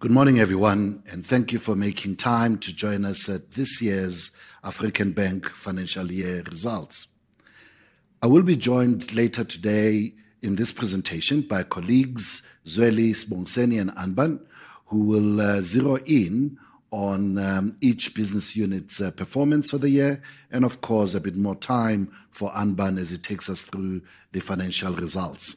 Good morning, everyone, and thank you for making time to join us at this year's African Bank Financial Year Results. I will be joined later today in this presentation by colleagues Zweli, Sibongiseni, and Anbann, who will zero in on each business unit's performance for the year, and of course, a bit more time for Anbann as he takes us through the financial results.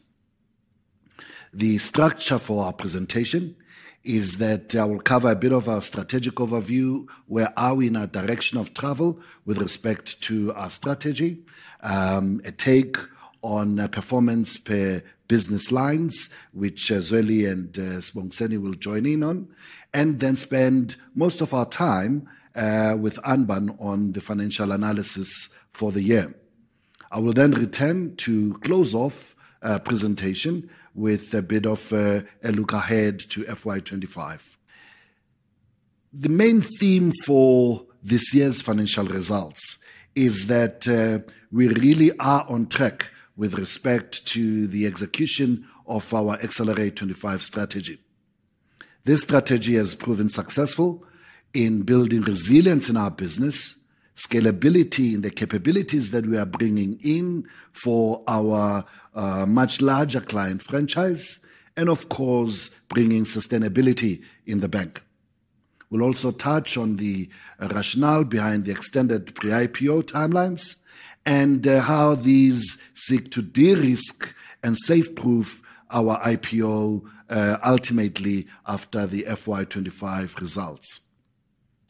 The structure for our presentation is that I will cover a bit of our strategic overview, where are we in our direction of travel with respect to our strategy, a take on performance per business lines, which Zweli and Sibongiseni will join in on, and then spend most of our time with Anbann on the financial analysis for the year. I will then return to close off our presentation with a bit of a look ahead to FY25. The main theme for this year's financial results is that we really are on track with respect to the execution of our Excelerate25 strategy. This strategy has proven successful in building resilience in our business, scalability in the capabilities that we are bringing in for our much larger client franchise, and of course, bringing sustainability in the bank. We'll also touch on the rationale behind the extended pre-IPO timelines and how these seek to de-risk and safe-proof our IPO ultimately after the FY25 results.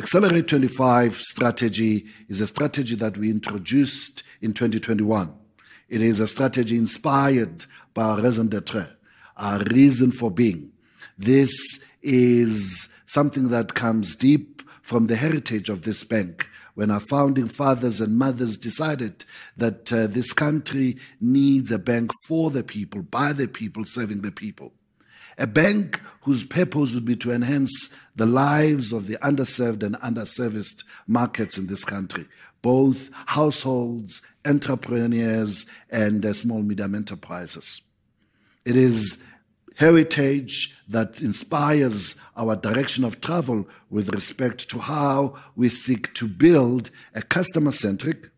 Excelerate25 strategy is a strategy that we introduced in 2021. It is a strategy inspired by our raison d'être, our reason for being. This is something that comes deep from the heritage of this bank, when our founding fathers and mothers decided that this country needs a bank for the people, by the people, serving the people. A bank whose purpose would be to enhance the lives of the underserved and underserviced markets in this country, both households, entrepreneurs, and small-medium enterprises. It is heritage that inspires our direction of travel with respect to how we seek to build a customer-centric,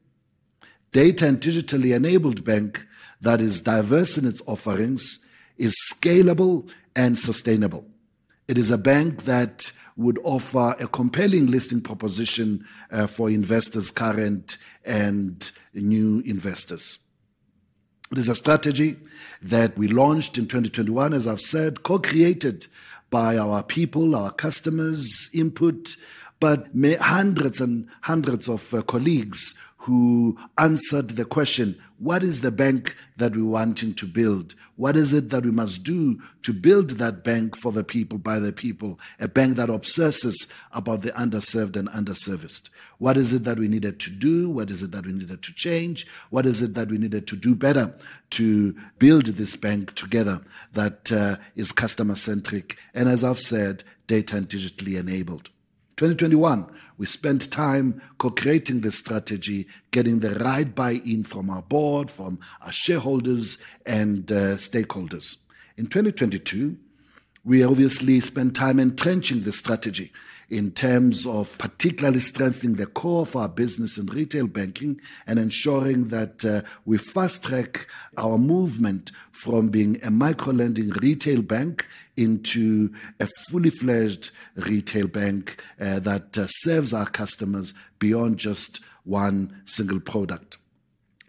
data and digitally enabled bank that is diverse in its offerings, is scalable, and sustainable. It is a bank that would offer a compelling listing proposition for investors, current and new investors. It is a strategy that we launched in 2021, as I've said, co-created by our people, our customers' input, but hundreds and hundreds of colleagues who answered the question, what is the bank that we're wanting to build? What is it that we must do to build that bank for the people, by the people, a bank that obsesses about the underserved and underserviced? What is it that we needed to do? What is it that we needed to change? What is it that we needed to do better to build this bank together that is customer-centric and, as I've said, data and digitally enabled? 2021, we spent time co-creating this strategy, getting the right buy-in from our board, from our shareholders and stakeholders. In 2022, we obviously spent time entrenching the strategy in terms of particularly strengthening the core of our business in retail banking and ensuring that we fast-track our movement from being a microlending retail bank into a fully-fledged retail bank that serves our customers beyond just one single product.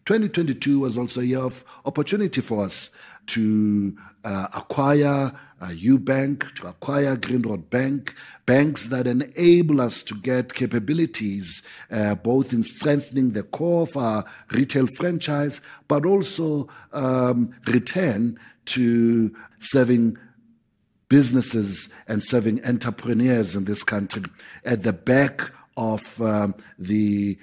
2022 was also a year of opportunity for us to acquire a new bank, to acquire Grindrod Bank, banks that enable us to get capabilities both in strengthening the core of our retail franchise, but also return to serving businesses and serving entrepreneurs in this country at the back of the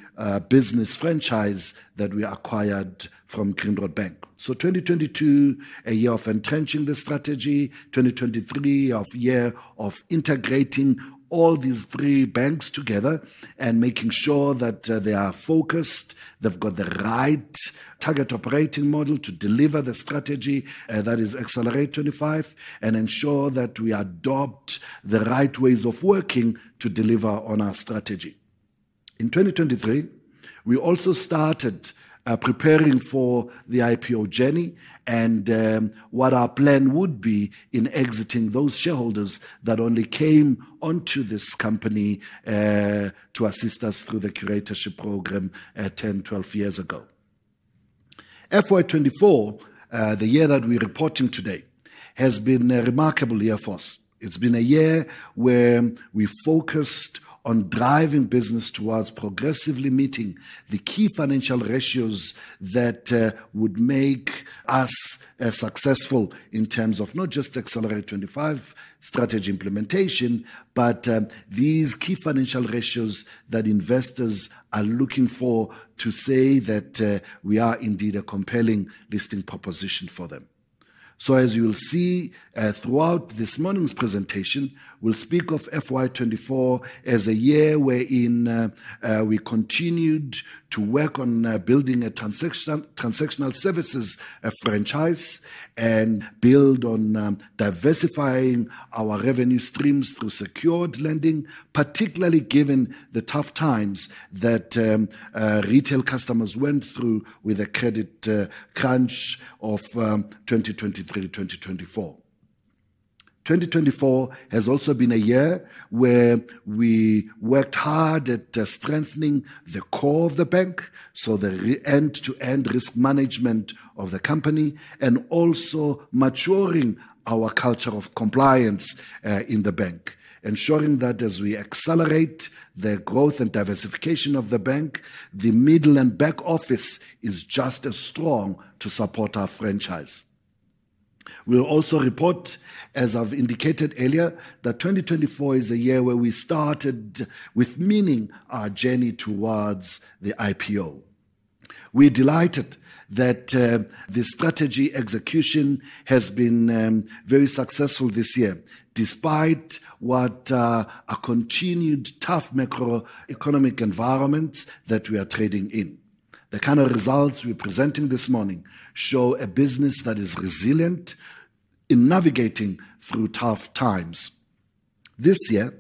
business franchise that we acquired from Grindrod Bank. So 2022, a year of entrenching the strategy, 2023, a year of integrating all these three banks together and making sure that they are focused, they've got the right target operating model to deliver the strategy that is Excelerate25, and ensure that we adopt the right ways of working to deliver on our strategy. In 2023, we also started preparing for the IPO journey and what our plan would be in exiting those shareholders that only came onto this company to assist us through the curatorship program 10, 12 years ago. FY24, the year that we're reporting today, has been a remarkable year for us. It's been a year where we focused on driving business towards progressively meeting the key financial ratios that would make us successful in terms of not just Excelerate25 strategy implementation, but these key financial ratios that investors are looking for to say that we are indeed a compelling listing proposition for them. As you'll see throughout this morning's presentation, we'll speak of FY24 as a year wherein we continued to work on building a transactional services franchise and build on diversifying our revenue streams through secured lending, particularly given the tough times that retail customers went through with the credit crunch of 2023 to 2024. 2024 has also been a year where we worked hard at strengthening the core of the bank, so the end-to-end risk management of the company, and also maturing our culture of compliance in the bank, ensuring that as we accelerate the growth and diversification of the bank, the middle and back office is just as strong to support our franchise. We'll also report, as I've indicated earlier, that 2024 is a year where we started a meaningful journey towards the IPO. We're delighted that the strategy execution has been very successful this year, despite a continued tough macroeconomic environment that we are trading in. The kind of results we're presenting this morning show a business that is resilient in navigating through tough times. This year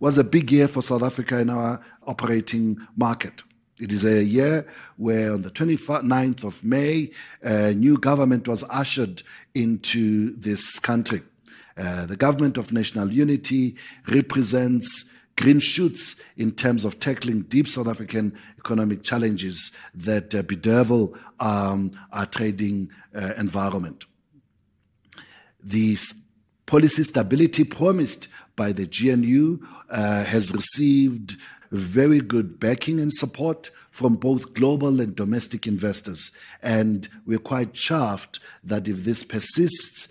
was a big year for South Africa in our operating market. It is a year where, on the 29th of May, a new government was ushered into this country. The Government of National Unity represents green shoots in terms of tackling deep South African economic challenges that bedevil our trading environment. The policy stability promised by the GNU has received very good backing and support from both global and domestic investors, and we're quite chuffed that if this persists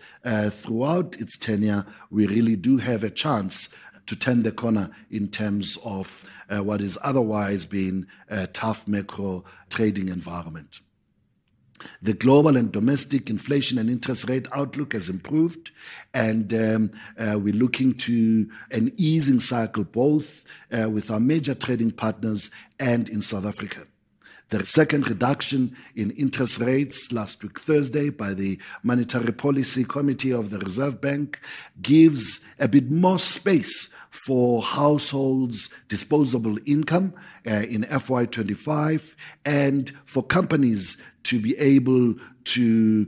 throughout its tenure, we really do have a chance to turn the corner in terms of what is otherwise being a tough macro trading environment. The global and domestic inflation and interest rate outlook has improved, and we're looking to an easing cycle both with our major trading partners and in South Africa. The second reduction in interest rates last week Thursday by the Monetary Policy Committee of the Reserve Bank gives a bit more space for households' disposable income in FY25 and for companies to be able to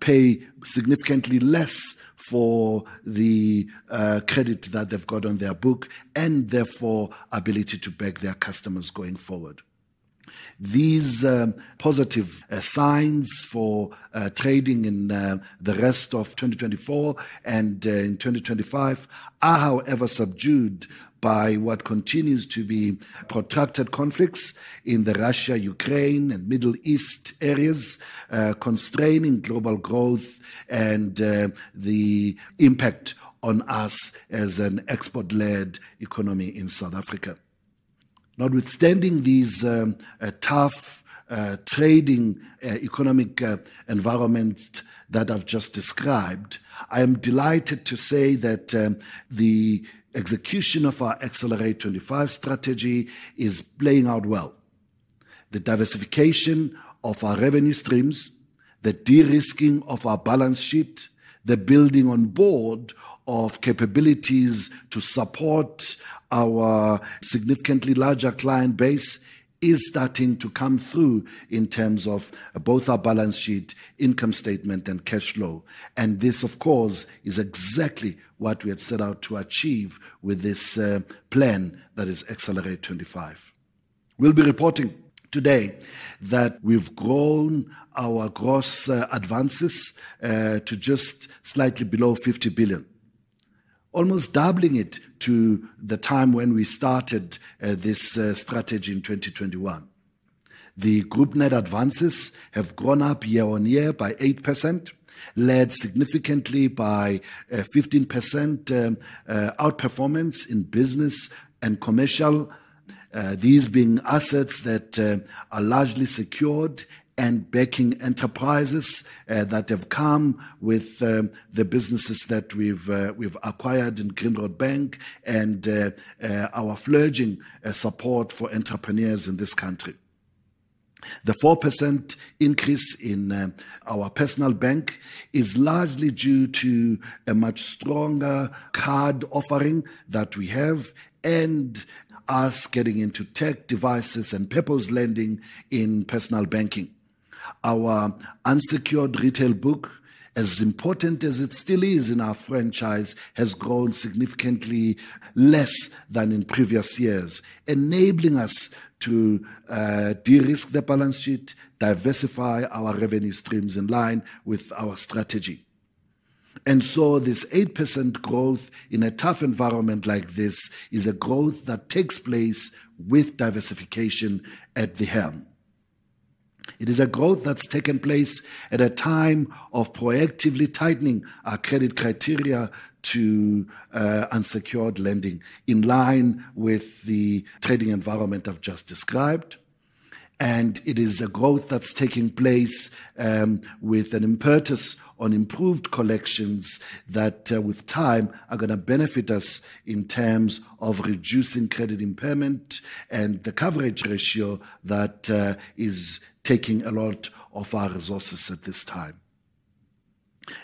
pay significantly less for the credit that they've got on their book and therefore ability to back their customers going forward. These positive signs for trading in the rest of 2024 and in 2025 are, however, subdued by what continues to be protracted conflicts in the Russia, Ukraine, and Middle East areas, constraining global growth and the impact on us as an export-led economy in South Africa. Notwithstanding these tough trading economic environments that I've just described, I am delighted to say that the execution of our Excelerate25 strategy is playing out well. The diversification of our revenue streams, the de-risking of our balance sheet, the building on board of capabilities to support our significantly larger client base is starting to come through in terms of both our balance sheet, income statement, and cash flow. And this, of course, is exactly what we have set out to achieve with this plan that is Excelerate25. We'll be reporting today that we've grown our gross advances to just slightly below 50 billion, almost doubling it to the time when we started this strategy in 2021. The group net advances have grown year-on-year by 8%, led significantly by 15% outperformance in Business and Commercial, these being assets that are largely secured and backing enterprises that have come with the businesses that we've acquired in Grindrod Bank and our flourishing support for entrepreneurs in this country. The 4% increase in our Personal Bank is largely due to a much stronger card offering that we have and us getting into tech devices and purpose lending in Personal Banking. Our unsecured retail book, as important as it still is in our franchise, has grown significantly less than in previous years, enabling us to de-risk the balance sheet, diversify our revenue streams in line with our strategy, and so this 8% growth in a tough environment like this is a growth that takes place with diversification at the helm. It is a growth that's taken place at a time of proactively tightening our credit criteria to unsecured lending in line with the trading environment I've just described, and it is a growth that's taking place with an impetus on improved collections that, with time, are going to benefit us in terms of reducing credit impairment and the coverage ratio that is taking a lot of our resources at this time,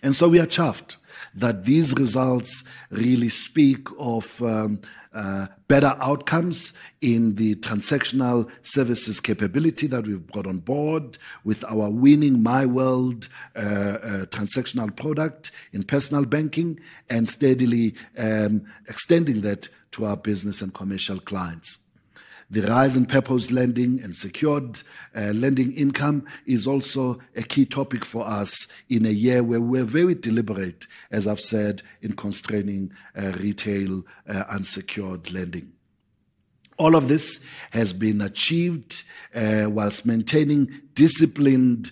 and so we are chuffed that these results really speak of better outcomes in the transactional services capability that we've brought on board with our winning MyWORLD transactional product in Personal Banking and steadily extending that to our Business and Commercial clients. The rise in purpose lending and secured lending income is also a key topic for us in a year where we're very deliberate, as I've said, in constraining retail unsecured lending. All of this has been achieved while maintaining disciplined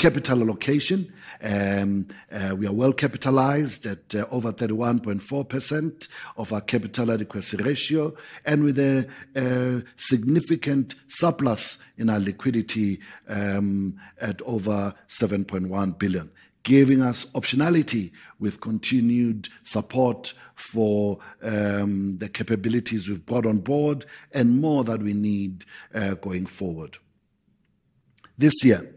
capital allocation. We are well capitalized at over 31.4% of our capital adequacy ratio and with a significant surplus in our liquidity at over 7.1 billion, giving us optionality with continued support for the capabilities we've brought on board and more that we need going forward. This year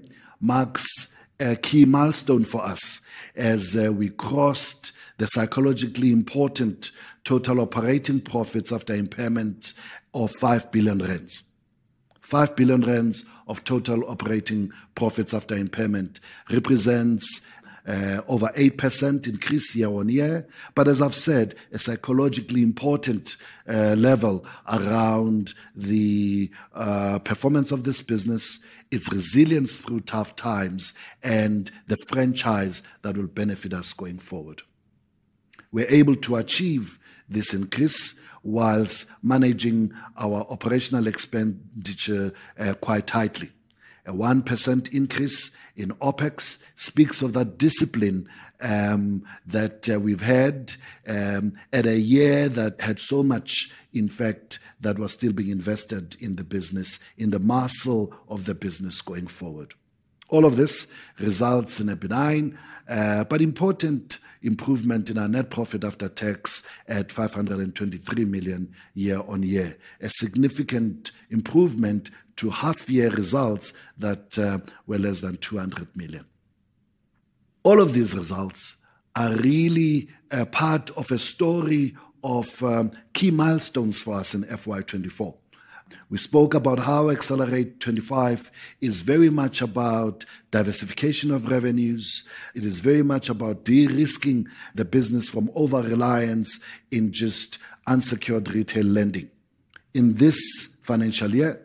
marks a key milestone for us as we crossed the psychologically important total operating profits after impairment of 5 billion rand. 5 billion rand of total operating profits after impairment represents over 8% increase year-on-year, but as I've said, a psychologically important level around the performance of this business, its resilience through tough times, and the franchise that will benefit us going forward. We're able to achieve this increase while managing our operational expenditure quite tightly. A 1% increase in OpEx speaks of that discipline that we've had in a year that had so much. In fact, that was still being invested in the business, in the muscle of the business going forward. All of this results in a benign but important improvement in our net profit after tax at 523 million year-on-year, a significant improvement to half-year results that were less than 200 million. All of these results are really a part of a story of key milestones for us in FY24. We spoke about how Excelerate25 is very much about diversification of revenues. It is very much about de-risking the business from over-reliance in just unsecured retail lending. In this financial year,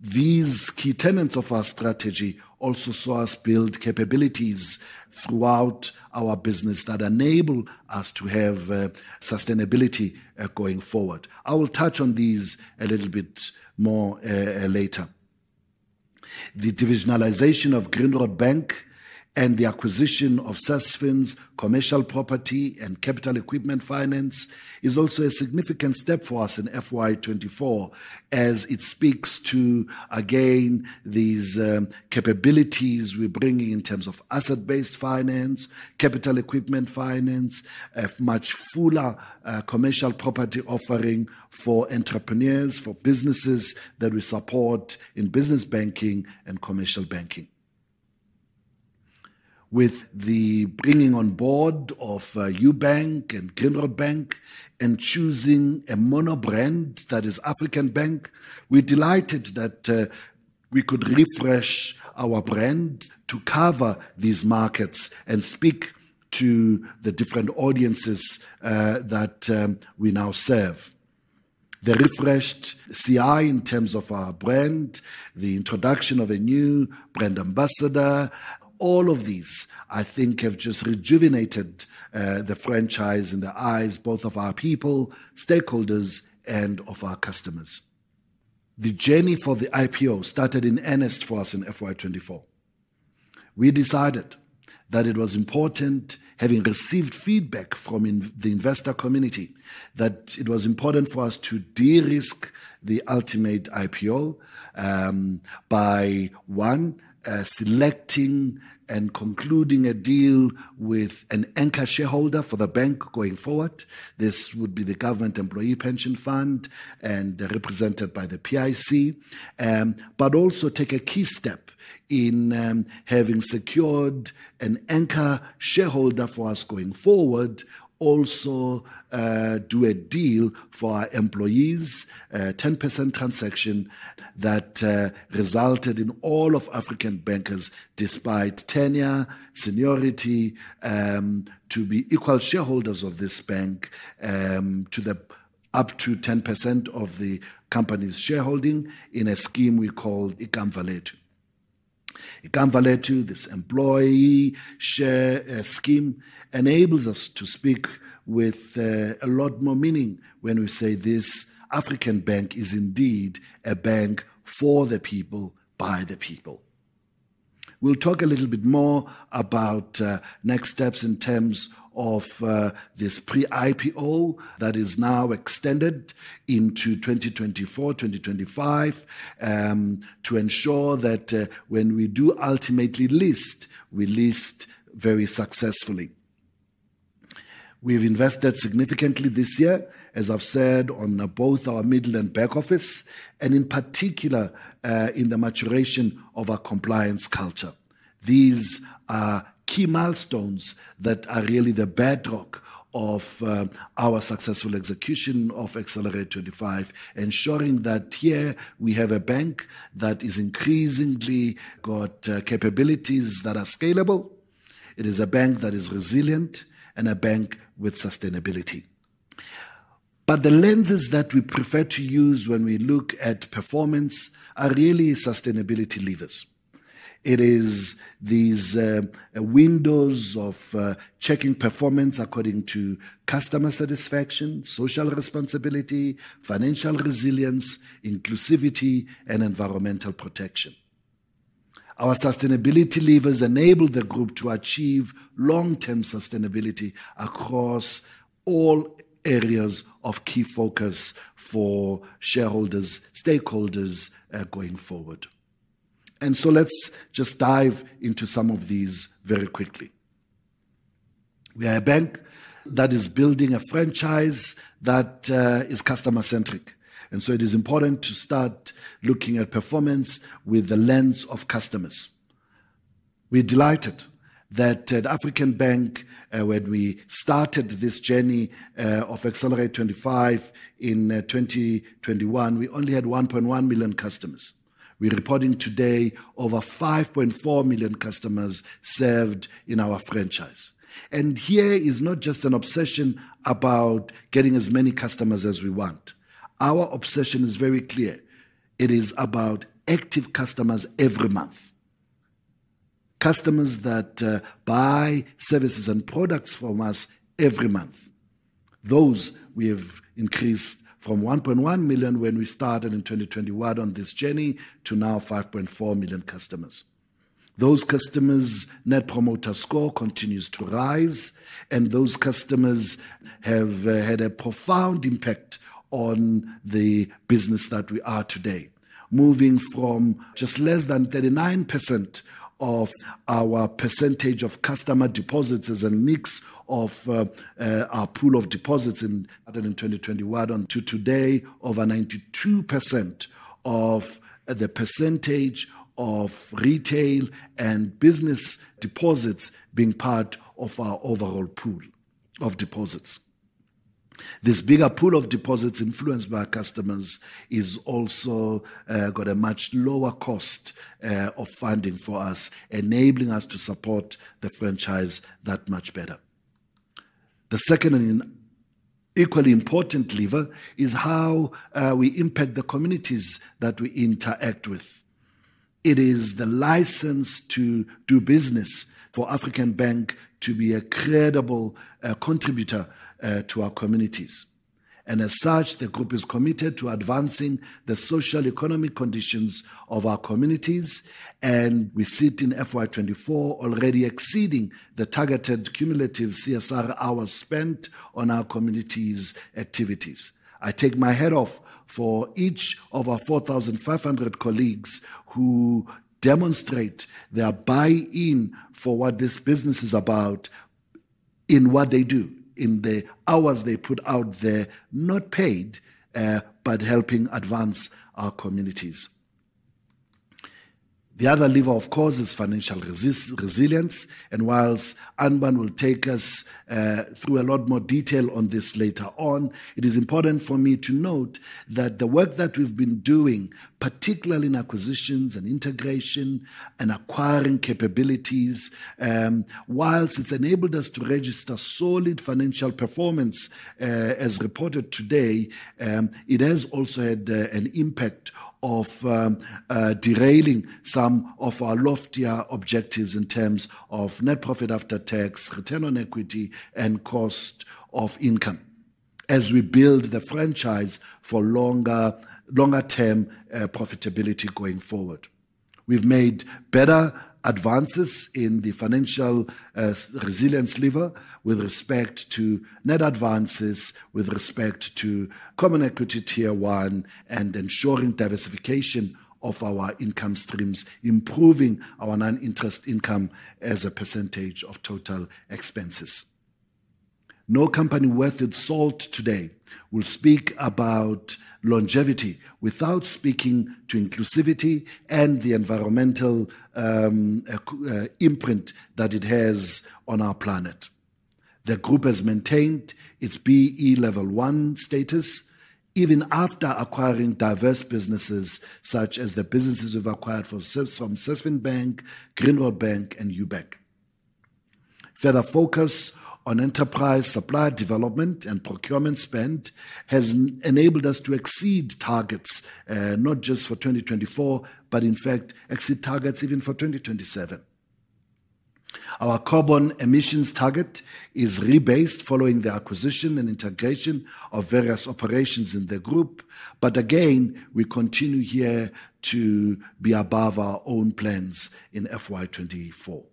these key tenets of our strategy also saw us build capabilities throughout our business that enable us to have sustainability going forward. I will touch on these a little bit more later. The divisionalization of Grindrod Bank and the acquisition of Sasfin Bank's Commercial Property and Capital Equipment Finance is also a significant step for us in FY24 as it speaks to, again, these capabilities we're bringing in terms of asset-based finance, capital equipment finance, a much fuller commercial property offering for entrepreneurs, for businesses that we support in business banking and commercial banking. With the bringing on board of Ubank and Grindrod Bank and choosing a monobrand that is African Bank, we're delighted that we could refresh our brand to cover these markets and speak to the different audiences that we now serve. The refreshed CI in terms of our brand, the introduction of a new brand ambassador, all of these, I think, have just rejuvenated the franchise in the eyes both of our people, stakeholders, and of our customers. The journey for the IPO started in earnest for us in FY24. We decided that it was important, having received feedback from the investor community, that it was important for us to de-risk the ultimate IPO by, one, selecting and concluding a deal with an anchor shareholder for the bank going forward. This would be the Government Employees Pension Fund and represented by the PIC, but also take a key step in having secured an anchor shareholder for us going forward, also do a deal for our employees, a 10% transaction that resulted in all of African bankers, despite tenure, seniority, to be equal shareholders of this bank up to 10% of the company's shareholding in a scheme we call Ikamva Lethu. Ikamva Lethu, this employee share scheme, enables us to speak with a lot more meaning when we say this African Bank is indeed a bank for the people, by the people. We'll talk a little bit more about next steps in terms of this pre-IPO that is now extended into 2024, 2025, to ensure that when we do ultimately list, we list very successfully. We've invested significantly this year, as I've said, on both our middle and back office, and in particular in the maturation of our compliance culture. These are key milestones that are really the bedrock of our successful execution of Excelerate25, ensuring that here we have a bank that is increasingly got capabilities that are scalable. It is a bank that is resilient and a bank with sustainability. But the lenses that we prefer to use when we look at performance are really sustainability levers. It is these windows of checking performance according to customer satisfaction, social responsibility, financial resilience, inclusivity, and environmental protection. Our sustainability levers enable the group to achieve long-term sustainability across all areas of key focus for shareholders, stakeholders going forward. And so let's just dive into some of these very quickly. We are a bank that is building a franchise that is customer-centric. It is important to start looking at performance with the lens of customers. We're delighted that at African Bank, when we started this journey of Excelerate25 in 2021, we only had 1.1 million customers. We're reporting today over 5.4 million customers served in our franchise. Here is not just an obsession about getting as many customers as we want. Our obsession is very clear. It is about active customers every month, customers that buy services and products from us every month. Those we have increased from 1.1 million when we started in 2021 on this journey to now 5.4 million customers. Those customers' Net Promoter Score continues to rise, and those customers have had a profound impact on the business that we are today, moving from just less than 39% of our percentage of customer deposits as a mix of our pool of deposits in 2021 on to today over 92% of the percentage of retail and business deposits being part of our overall pool of deposits. This bigger pool of deposits influenced by our customers has also got a much lower cost of funding for us, enabling us to support the franchise that much better. The second and equally important lever is how we impact the communities that we interact with. It is the license to do business for African Bank to be a credible contributor to our communities. And as such, the group is committed to advancing the social economic conditions of our communities, and we sit in FY24 already exceeding the targeted cumulative CSR hours spent on our communities' activities. I take my hat off for each of our 4,500 colleagues who demonstrate their buy-in for what this business is about in what they do, in the hours they put out there, not paid, but helping advance our communities. The other lever, of course, is financial resilience. While Anbann will take us through a lot more detail on this later on, it is important for me to note that the work that we've been doing, particularly in acquisitions and integration and acquiring capabilities, while it's enabled us to register solid financial performance as reported today, it has also had an impact of derailing some of our loftier objectives in terms of net profit after tax, return on equity, and cost-to-income as we build the franchise for longer-term profitability going forward. We've made better advances in the financial resilience lever with respect to net advances, with respect to Common Equity Tier 1, and ensuring diversification of our income streams, improving our non-interest income as a percentage of total expenses. No company worth its salt today will speak about longevity without speaking to inclusivity and the environmental imprint that it has on our planet. The group has maintained its B-BBEE Level 1 status even after acquiring diverse businesses such as the businesses we've acquired from Sasfin Bank, Grindrod Bank, and Ubank. Further focus on enterprise supplier development and procurement spend has enabled us to exceed targets not just for 2024, but in fact, exceed targets even for 2027. Our carbon emissions target is rebased following the acquisition and integration of various operations in the group, but again, we continue here to be above our own plans in FY24.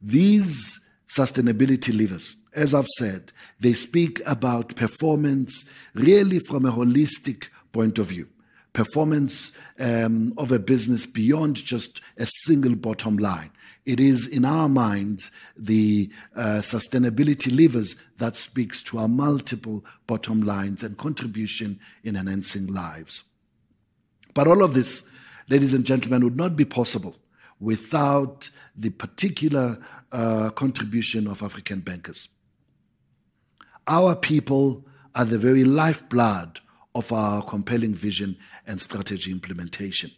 These sustainability levers, as I've said, they speak about performance really from a holistic point of view, performance of a business beyond just a single bottom line. It is, in our minds, the sustainability levers that speak to our multiple bottom lines and contribution in enhancing lives. All of this, ladies and gentlemen, would not be possible without the particular contribution of African bankers. Our people are the very lifeblood of our compelling vision and strategy implementation.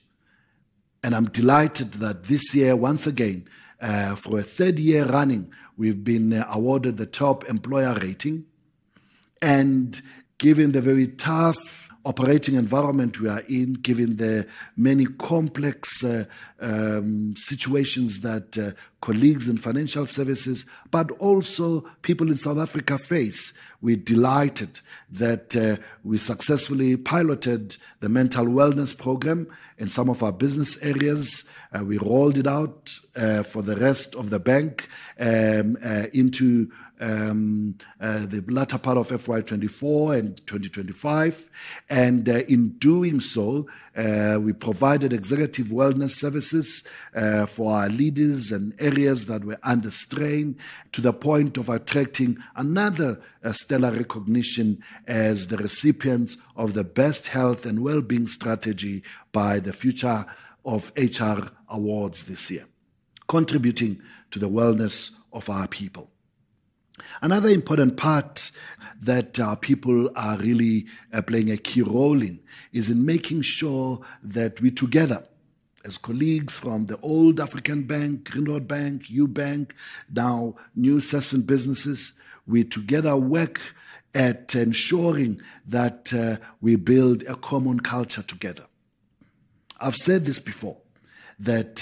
I'm delighted that this year, once again, for a third year running, we've been awarded the top employer rating and given the very tough operating environment we are in, given the many complex situations that colleagues in financial services, but also people in South Africa face. We're delighted that we successfully piloted the mental wellness program in some of our business areas. We rolled it out for the rest of the bank into the latter part of FY24 and 2025. And in doing so, we provided executive wellness services for our leaders and areas that were under strain to the point of attracting another stellar recognition as the recipients of the best health and well-being strategy by the Future of HR Awards this year, contributing to the wellness of our people. Another important part that our people are really playing a key role in is in making sure that we together, as colleagues from the old African Bank, Grindrod Bank, Ubank, now new Sasfin Bank businesses, we together work at ensuring that we build a common culture together. I've said this before, that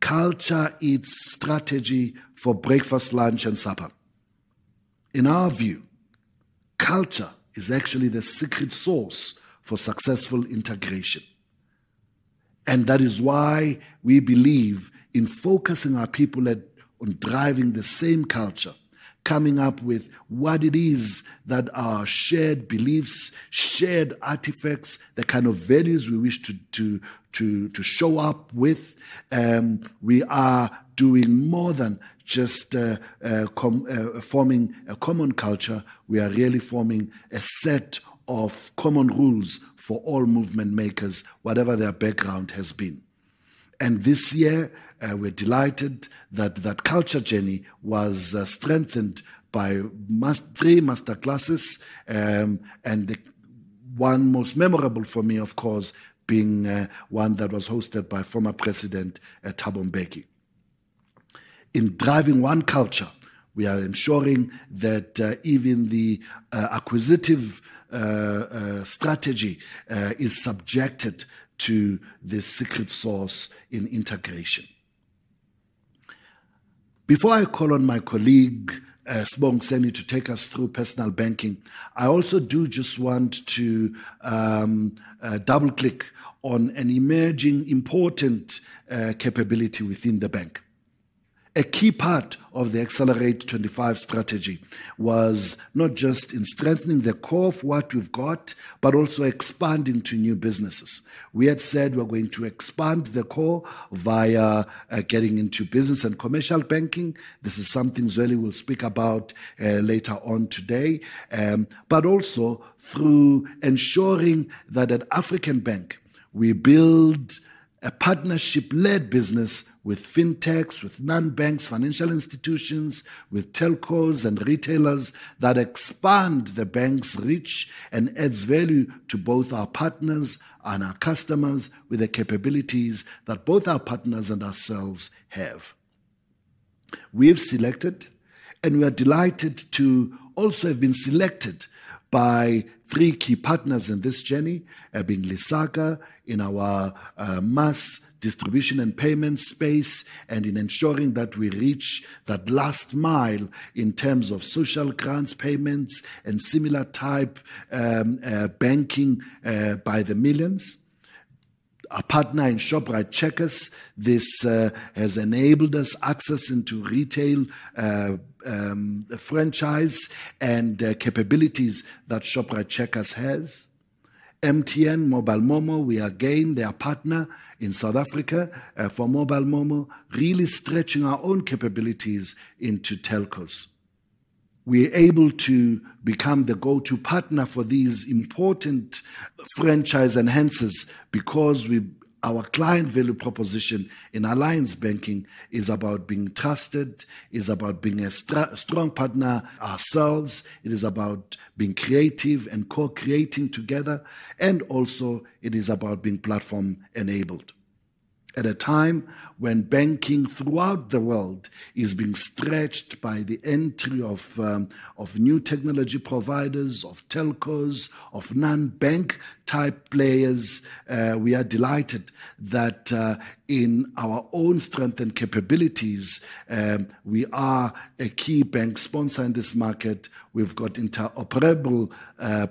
culture eats strategy for breakfast, lunch, and supper. In our view, culture is actually the secret sauce for successful integration. That is why we believe in focusing our people on driving the same culture, coming up with what it is that are shared beliefs, shared artifacts, the kind of values we wish to show up with. We are doing more than just forming a common culture. We are really forming a set of common rules for all Movement Makers, whatever their background has been. This year, we're delighted that that culture journey was strengthened by three masterclasses, and one most memorable for me, of course, being one that was hosted by former President Thabo Mbeki. In driving one culture, we are ensuring that even the acquisitive strategy is subjected to the secret sauce in integration. Before I call on my colleague Sibongiseni to take us through Personal Banking, I also do just want to double-click on an emerging important capability within the bank. A key part of the Excelerate25 strategy was not just in strengthening the core of what we've got, but also expanding to new businesses. We had said we're going to expand the core via getting into Business and Commercial Banking. This is something Zweli will speak about later on today, but also through ensuring that at African Bank, we build a partnership-led business with fintechs, with non-banks, financial institutions, with telcos and retailers that expand the bank's reach and adds value to both our partners and our customers with the capabilities that both our partners and ourselves have. We've selected, and we are delighted to also have been selected by three key partners in this journey, Lesaka Technologies in our mass distribution and payment space, and in ensuring that we reach that last mile in terms of social grants payments and similar type banking by the millions. Our partner in Shoprite Checkers, this has enabled us access into retail franchise and capabilities that Shoprite Checkers has. MTN MoMo, we again, they are partner in South Africa for MoMo, really stretching our own capabilities into telcos. We're able to become the go-to partner for these important franchise enhancers because our client value proposition in alliance banking is about being trusted, is about being a strong partner. Ourselves, it is about being creative and co-creating together, and also it is about being platform-enabled. At a time when banking throughout the world is being stretched by the entry of new technology providers, of telcos, of non-bank type players, we are delighted that in our own strength and capabilities, we are a key bank sponsor in this market. We've got interoperable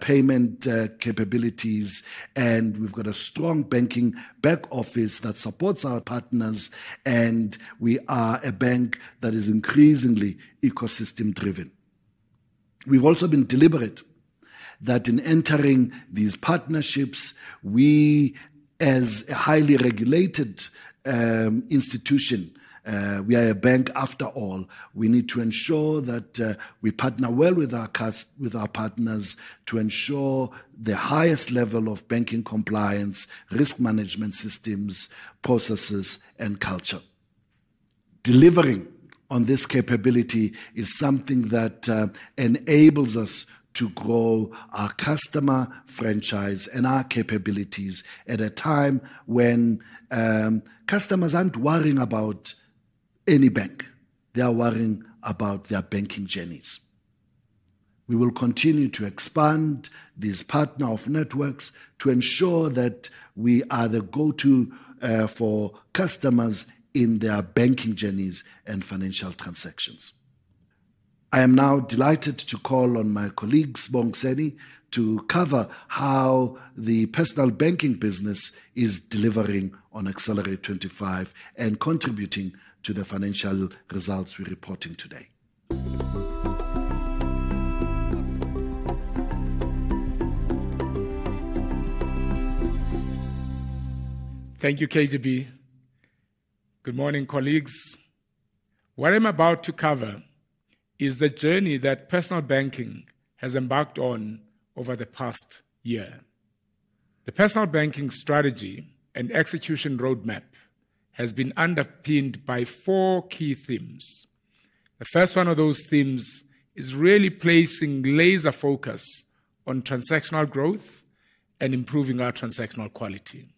payment capabilities, and we've got a strong banking back office that supports our partners, and we are a bank that is increasingly ecosystem-driven. We've also been deliberate that in entering these partnerships, we, as a highly regulated institution, we are a bank after all, we need to ensure that we partner well with our partners to ensure the highest level of banking compliance, risk management systems, processes, and culture. Delivering on this capability is something that enables us to grow our customer franchise and our capabilities at a time when customers aren't worrying about any bank. They are worrying about their banking journeys. We will continue to expand these partner networks to ensure that we are the go-to for customers in their banking journeys and financial transactions. I am now delighted to call on my colleague Sibongiseni to cover how the Personal Banking business is delivering on Excelerate25 and contributing to the financial results we're reporting today. Thank you, KGB. Good morning, colleagues. What I'm about to cover is the journey that Personal Banking has embarked on over the past year. The Personal Banking strategy and execution roadmap has been underpinned by four key themes. The first one of those themes is really placing laser focus on transactional growth and improving our transactional quality.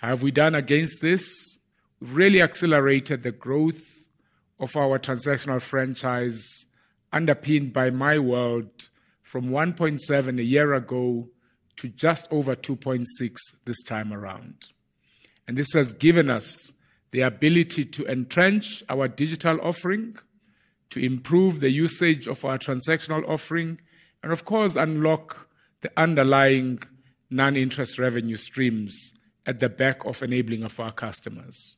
How have we done against this? We've really accelerated the growth of our transactional franchise, underpinned by MyWORLD from 1.7 a year ago to just over 2.6 this time around. And this has given us the ability to entrench our digital offering, to improve the usage of our transactional offering, and of course, unlock the underlying non-interest revenue streams at the back of enabling our customers.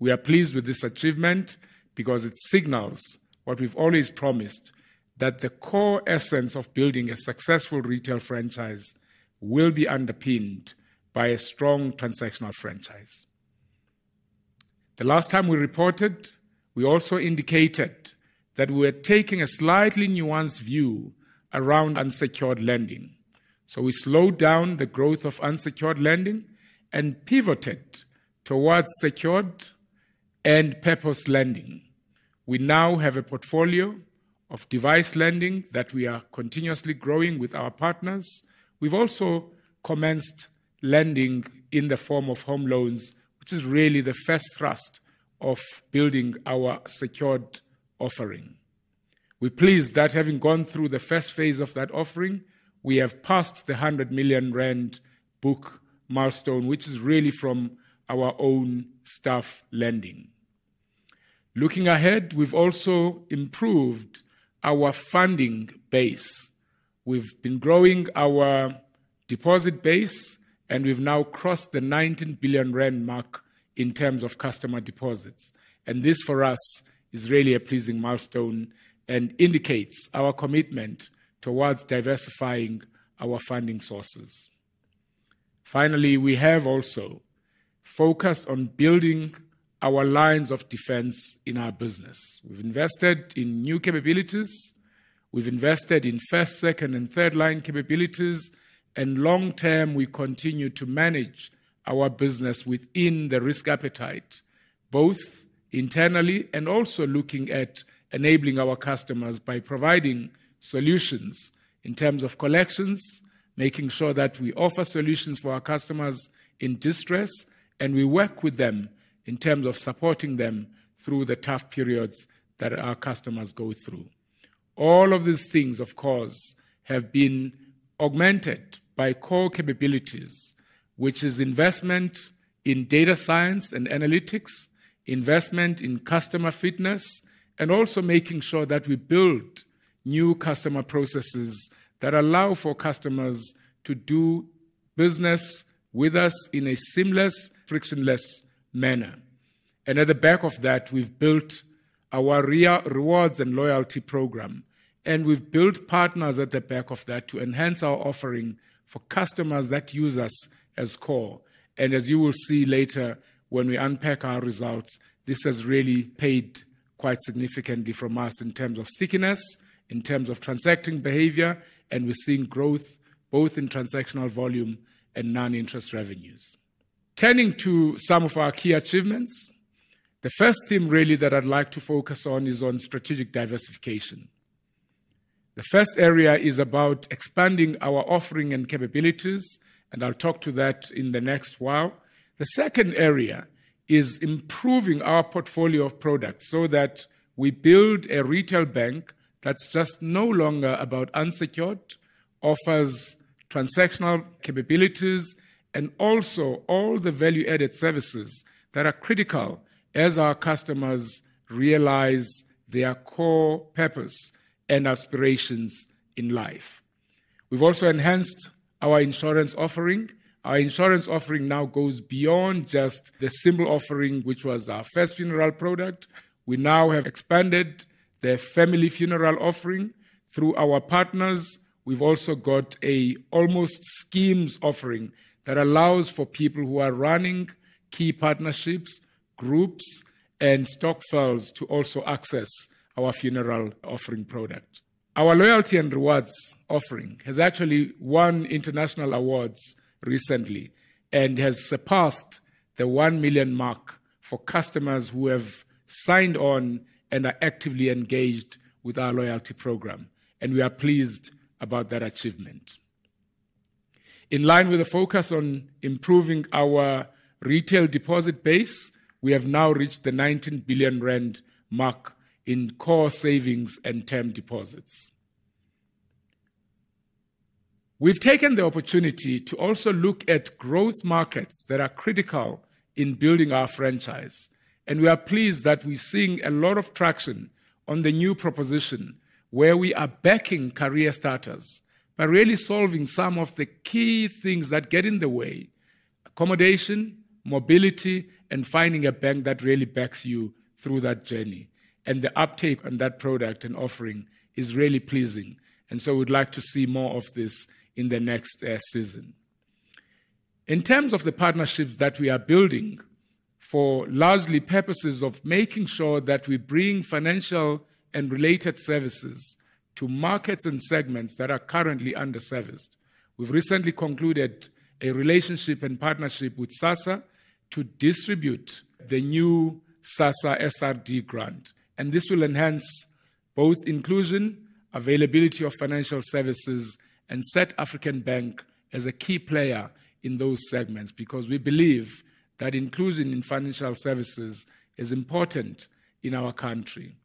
We are pleased with this achievement because it signals what we've always promised, that the core essence of building a successful retail franchise will be underpinned by a strong transactional franchise. The last time we reported, we also indicated that we were taking a slightly nuanced view around unsecured lending. So we slowed down the growth of unsecured lending and pivoted towards secured and purpose lending. We now have a portfolio of device lending that we are continuously growing with our partners. We've also commenced lending in the form of home loans, which is really the first thrust of building our secured offering. We're pleased that having gone through the first phase of that offering, we have passed the 100 million rand book milestone, which is really from our own staff lending. Looking ahead, we've also improved our funding base. We've been growing our deposit base, and we've now crossed the 19 billion rand mark in terms of customer deposits, and this for us is really a pleasing milestone and indicates our commitment toward diversifying our funding sources. Finally, we have also focused on building our lines of defense in our business. We've invested in new capabilities. We've invested in first, second, and third line capabilities. Long term, we continue to manage our business within the risk appetite, both internally and also looking at enabling our customers by providing solutions in terms of collections, making sure that we offer solutions for our customers in distress, and we work with them in terms of supporting them through the tough periods that our customers go through. All of these things, of course, have been augmented by core capabilities, which is investment in data science and analytics, investment in customer fitness, and also making sure that we build new customer processes that allow for customers to do business with us in a seamless, frictionless manner. At the back of that, we've built our rewards and loyalty program, and we've built partners at the back of that to enhance our offering for customers that use us as core. And as you will see later when we unpack our results, this has really paid quite significantly for us in terms of stickiness, in terms of transacting behavior, and we're seeing growth both in transactional volume and non-interest revenues. Turning to some of our key achievements, the first theme really that I'd like to focus on is on strategic diversification. The first area is about expanding our offering and capabilities, and I'll talk to that in the next while. The second area is improving our portfolio of products so that we build a retail bank that's just no longer about unsecured, offers transactional capabilities, and also all the value-added services that are critical as our customers realize their core purpose and aspirations in life. We've also enhanced our insurance offering. Our insurance offering now goes beyond just the simple offering, which was our first funeral product. We now have expanded the family funeral offering through our partners. We've also got an alternative schemes offering that allows for people who are running key partnerships, groups, and stokvels to also access our funeral offering product. Our loyalty and rewards offering has actually won international awards recently and has surpassed the 1 million mark for customers who have signed on and are actively engaged with our loyalty program, and we are pleased about that achievement. In line with the focus on improving our retail deposit base, we have now reached the 19 billion rand mark in core savings and term deposits. We've taken the opportunity to also look at growth markets that are critical in building our franchise, and we are pleased that we're seeing a lot of traction on the new proposition where we are backing career starters, but really solving some of the key things that get in the way: accommodation, mobility, and finding a bank that really backs you through that journey. And the uptake on that product and offering is really pleasing. And so we'd like to see more of this in the next season. In terms of the partnerships that we are building for largely purposes of making sure that we bring financial and related services to markets and segments that are currently underserviced. We've recently concluded a relationship and partnership with SASSA to distribute the new SASSA SRD grant. This will enhance both inclusion, availability of financial services, and set African Bank as a key player in those segments because we believe that inclusion in financial services is important in our country.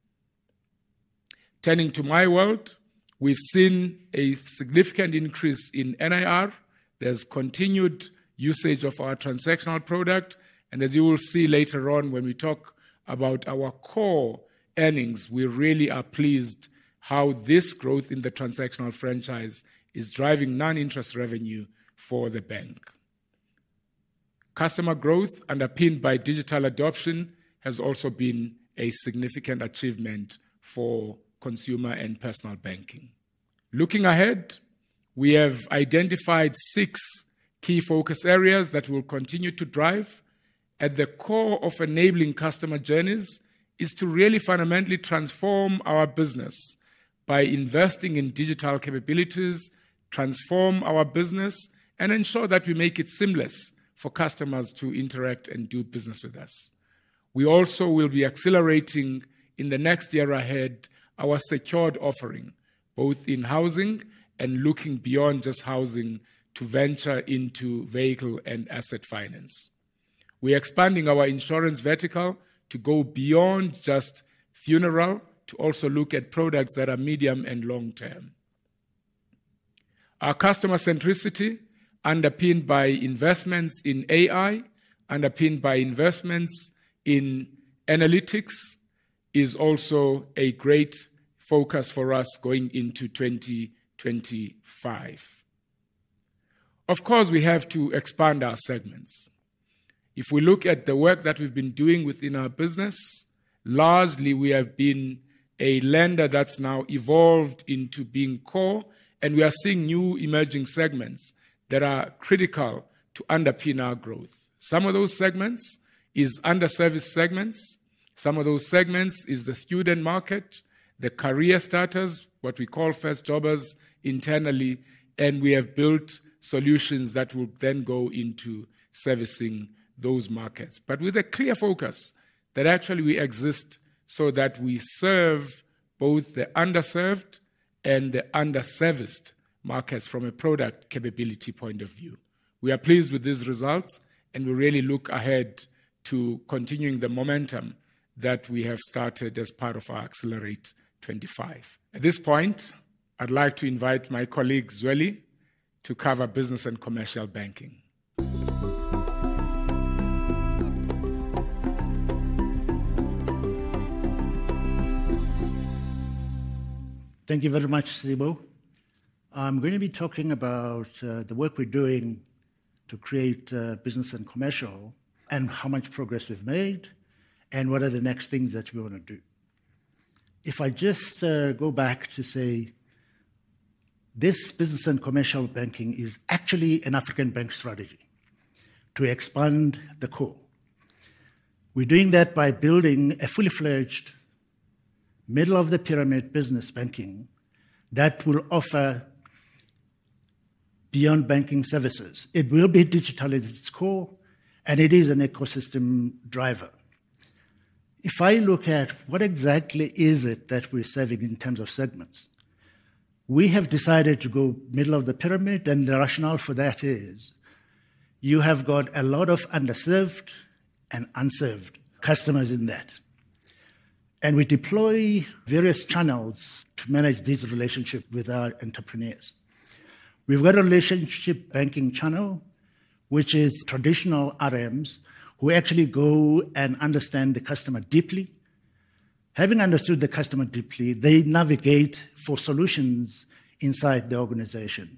Turning to MyWORLD, we've seen a significant increase in NIR. There's continued usage of our transactional product. And as you will see later on when we talk about our core earnings, we really are pleased how this growth in the transactional franchise is driving non-interest revenue for the bank. Customer growth underpinned by digital adoption has also been a significant achievement for Consumer and Personal Banking. Looking ahead, we have identified six key focus areas that will continue to drive. At the core of enabling customer journeys is to really fundamentally transform our business by investing in digital capabilities, transform our business, and ensure that we make it seamless for customers to interact and do business with us. We also will be accelerating in the next year ahead our secured offering, both in housing and looking beyond just housing to venture into vehicle and asset finance. We're expanding our insurance vertical to go beyond just funeral to also look at products that are medium and long term. Our customer centricity, underpinned by investments in AI, underpinned by investments in analytics, is also a great focus for us going into 2025. Of course, we have to expand our segments. If we look at the work that we've been doing within our business, largely we have been a lender that's now evolved into being core, and we are seeing new emerging segments that are critical to underpin our growth. Some of those segments are underserviced segments. Some of those segments are the student market, the career starters, what we call first jobbers internally, and we have built solutions that will then go into servicing those markets. But with a clear focus that actually we exist so that we serve both the underserved and the underserviced markets from a product capability point of view. We are pleased with these results, and we really look ahead to continuing the momentum that we have started as part of our Excelerate25. At this point, I'd like to invite my colleague Zweli to cover Business and Commercial Banking. Thank you very much, Sibo. I'm going to be talking about the work we're doing to create Business and Commercial and how much progress we've made and what are the next things that we want to do. If I just go back to say this Business and Commercial Banking is actually an African Bank strategy to expand the core. We're doing that by building a fully fledged middle-of-the-pyramid business banking that will offer beyond banking services. It will be digitalized at its core, and it is an ecosystem driver. If I look at what exactly is it that we're serving in terms of segments, we have decided to go middle of the pyramid, and the rationale for that is you have got a lot of underserved and unserved customers in that, and we deploy various channels to manage these relationships with our entrepreneurs. We've got a relationship banking channel, which is traditional RMs who actually go and understand the customer deeply. Having understood the customer deeply, they navigate for solutions inside the organization.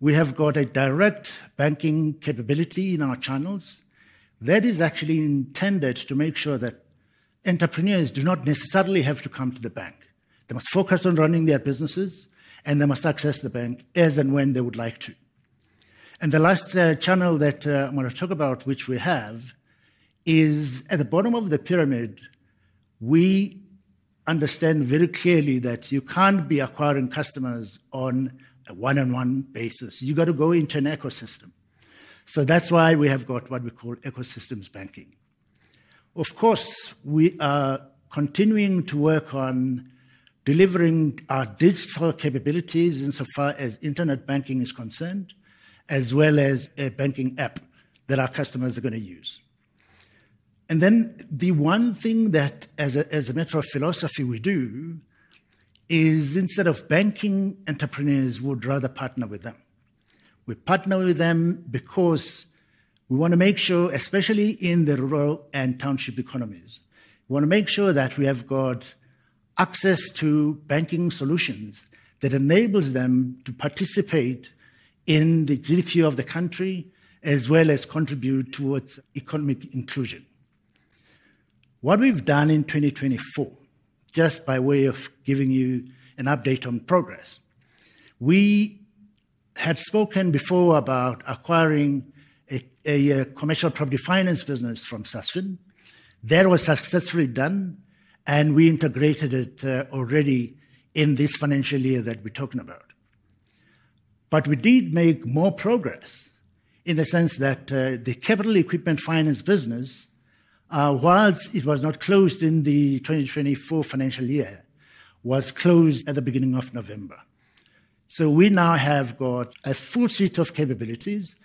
We have got a direct banking capability in our channels that is actually intended to make sure that entrepreneurs do not necessarily have to come to the bank. They must focus on running their businesses, and they must access the bank as and when they would like to. And the last channel that I want to talk about, which we have, is at the bottom of the pyramid. We understand very clearly that you can't be acquiring customers on a one-on-one basis. You've got to go into an ecosystem. So that's why we have got what we call ecosystems banking. Of course, we are continuing to work on delivering our digital capabilities insofar as internet banking is concerned, as well as a banking app that our customers are going to use, and then the one thing that, as a matter of philosophy, we do is instead of banking, entrepreneurs would rather partner with them. We partner with them because we want to make sure, especially in the rural and township economies, we want to make sure that we have got access to banking solutions that enables them to participate in the GDP of the country as well as contribute towards economic inclusion. What we've done in 2024, just by way of giving you an update on progress, we had spoken before about acquiring a commercial property finance business from Sasfin. That was successfully done, and we integrated it already in this financial year that we're talking about. But we did make more progress in the sense that the capital equipment finance business, while it was not closed in the 2024 financial year, was closed at the beginning of November. So we now have got a full suite of capabilities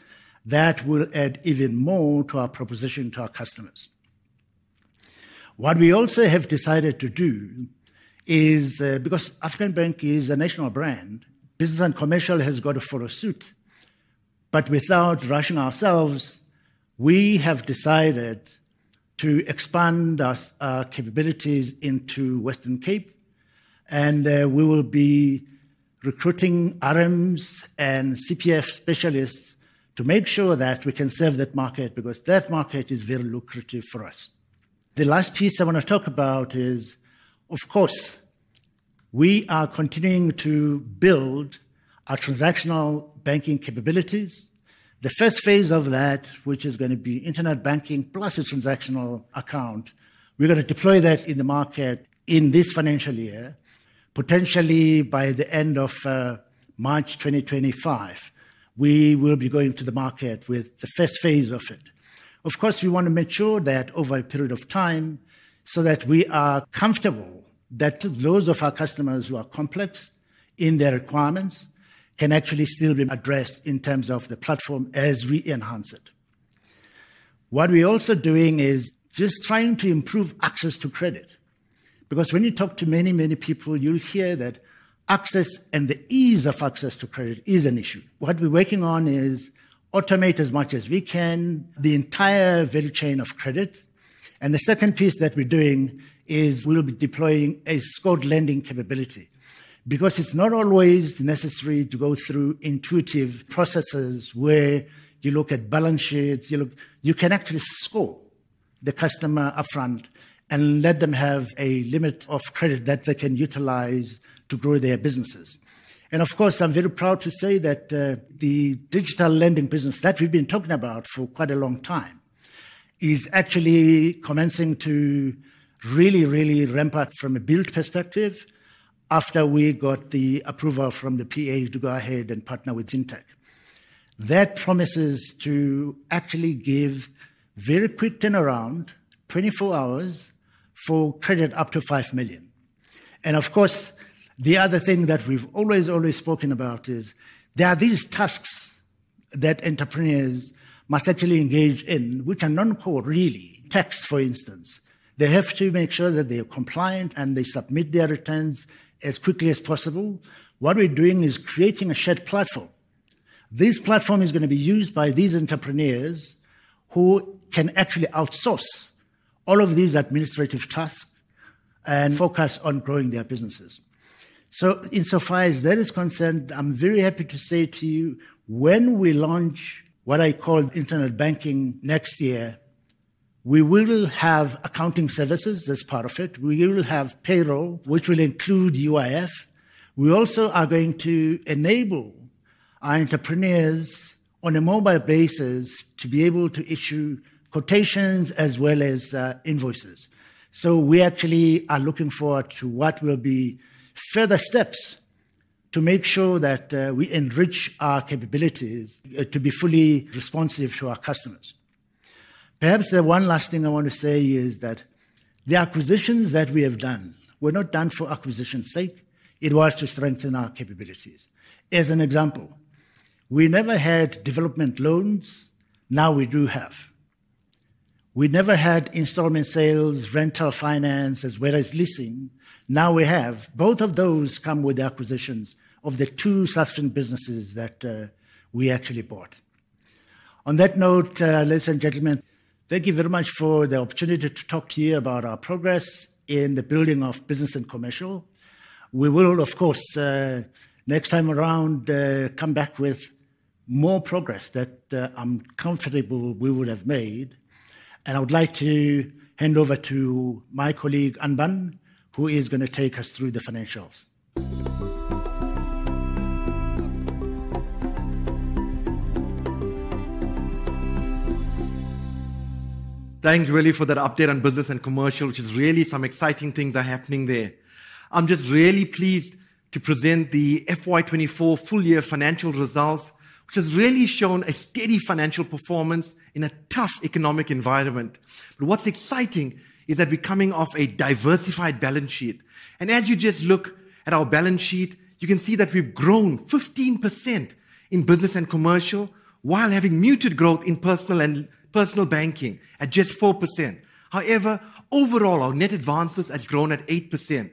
that will add even more to our proposition to our customers. What we also have decided to do is, because African Bank is a national brand, Business and Commercial has got to follow suit. But without rushing ourselves, we have decided to expand our capabilities into Western Cape, and we will be recruiting RMs and CPF specialists to make sure that we can serve that market because that market is very lucrative for us. The last piece I want to talk about is, of course, we are continuing to build our transactional banking capabilities. The first phase of that, which is going to be internet banking plus a transactional account, we're going to deploy that in the market in this financial year, potentially by the end of March 2025. We will be going to the market with the first phase of it. Of course, we want to make sure that over a period of time so that we are comfortable that those of our customers who are complex in their requirements can actually still be addressed in terms of the platform as we enhance it. What we're also doing is just trying to improve access to credit. Because when you talk to many, many people, you'll hear that access and the ease of access to credit is an issue. What we're working on is automate as much as we can the entire value chain of credit. The second piece that we're doing is we'll be deploying a scored lending capability because it's not always necessary to go through intuitive processes where you look at balance sheets. You can actually score the customer upfront and let them have a limit of credit that they can utilize to grow their businesses. And of course, I'm very proud to say that the digital lending business that we've been talking about for quite a long time is actually commencing to really, really ramp up from a build perspective after we got the approval from the PA to go ahead and partner with fintech. That promises to actually give very quick turnaround, 24 hours for credit up to 5 million. And of course, the other thing that we've always, always spoken about is there are these tasks that entrepreneurs must actually engage in, which are non-core, really. Tax, for instance. They have to make sure that they are compliant and they submit their returns as quickly as possible. What we're doing is creating a shared platform. This platform is going to be used by these entrepreneurs who can actually outsource all of these administrative tasks and focus on growing their businesses. So insofar as that is concerned, I'm very happy to say to you, when we launch what I call internet banking next year, we will have accounting services as part of it. We will have payroll, which will include UIF. We also are going to enable our entrepreneurs on a mobile basis to be able to issue quotations as well as invoices. So we actually are looking forward to what will be further steps to make sure that we enrich our capabilities to be fully responsive to our customers. Perhaps the one last thing I want to say is that the acquisitions that we have done were not done for acquisition's sake. It was to strengthen our capabilities. As an example, we never had development loans. Now we do have. We never had installment sales, rental finance, as well as leasing. Now we have. Both of those come with the acquisitions of the two Sasfin businesses that we actually bought. On that note, ladies and gentlemen, thank you very much for the opportunity to talk to you about our progress in the building of Business and Commercial. We will, of course, next time around, come back with more progress that I'm comfortable we would have made, and I would like to hand over to my colleague Anban, who is going to take us through the financials. Thanks, Zweli, for that update on Business and Commercial, which is really some exciting things are happening there. I'm just really pleased to present the FY24 full year financial results, which has really shown a steady financial performance in a tough economic environment, but what's exciting is that we're coming off a diversified balance sheet, and as you just look at our balance sheet, you can see that we've grown 15% in Business and commercial while having muted growth in personal and Personal Banking at just 4%. However, overall, our net advances have grown at 8%.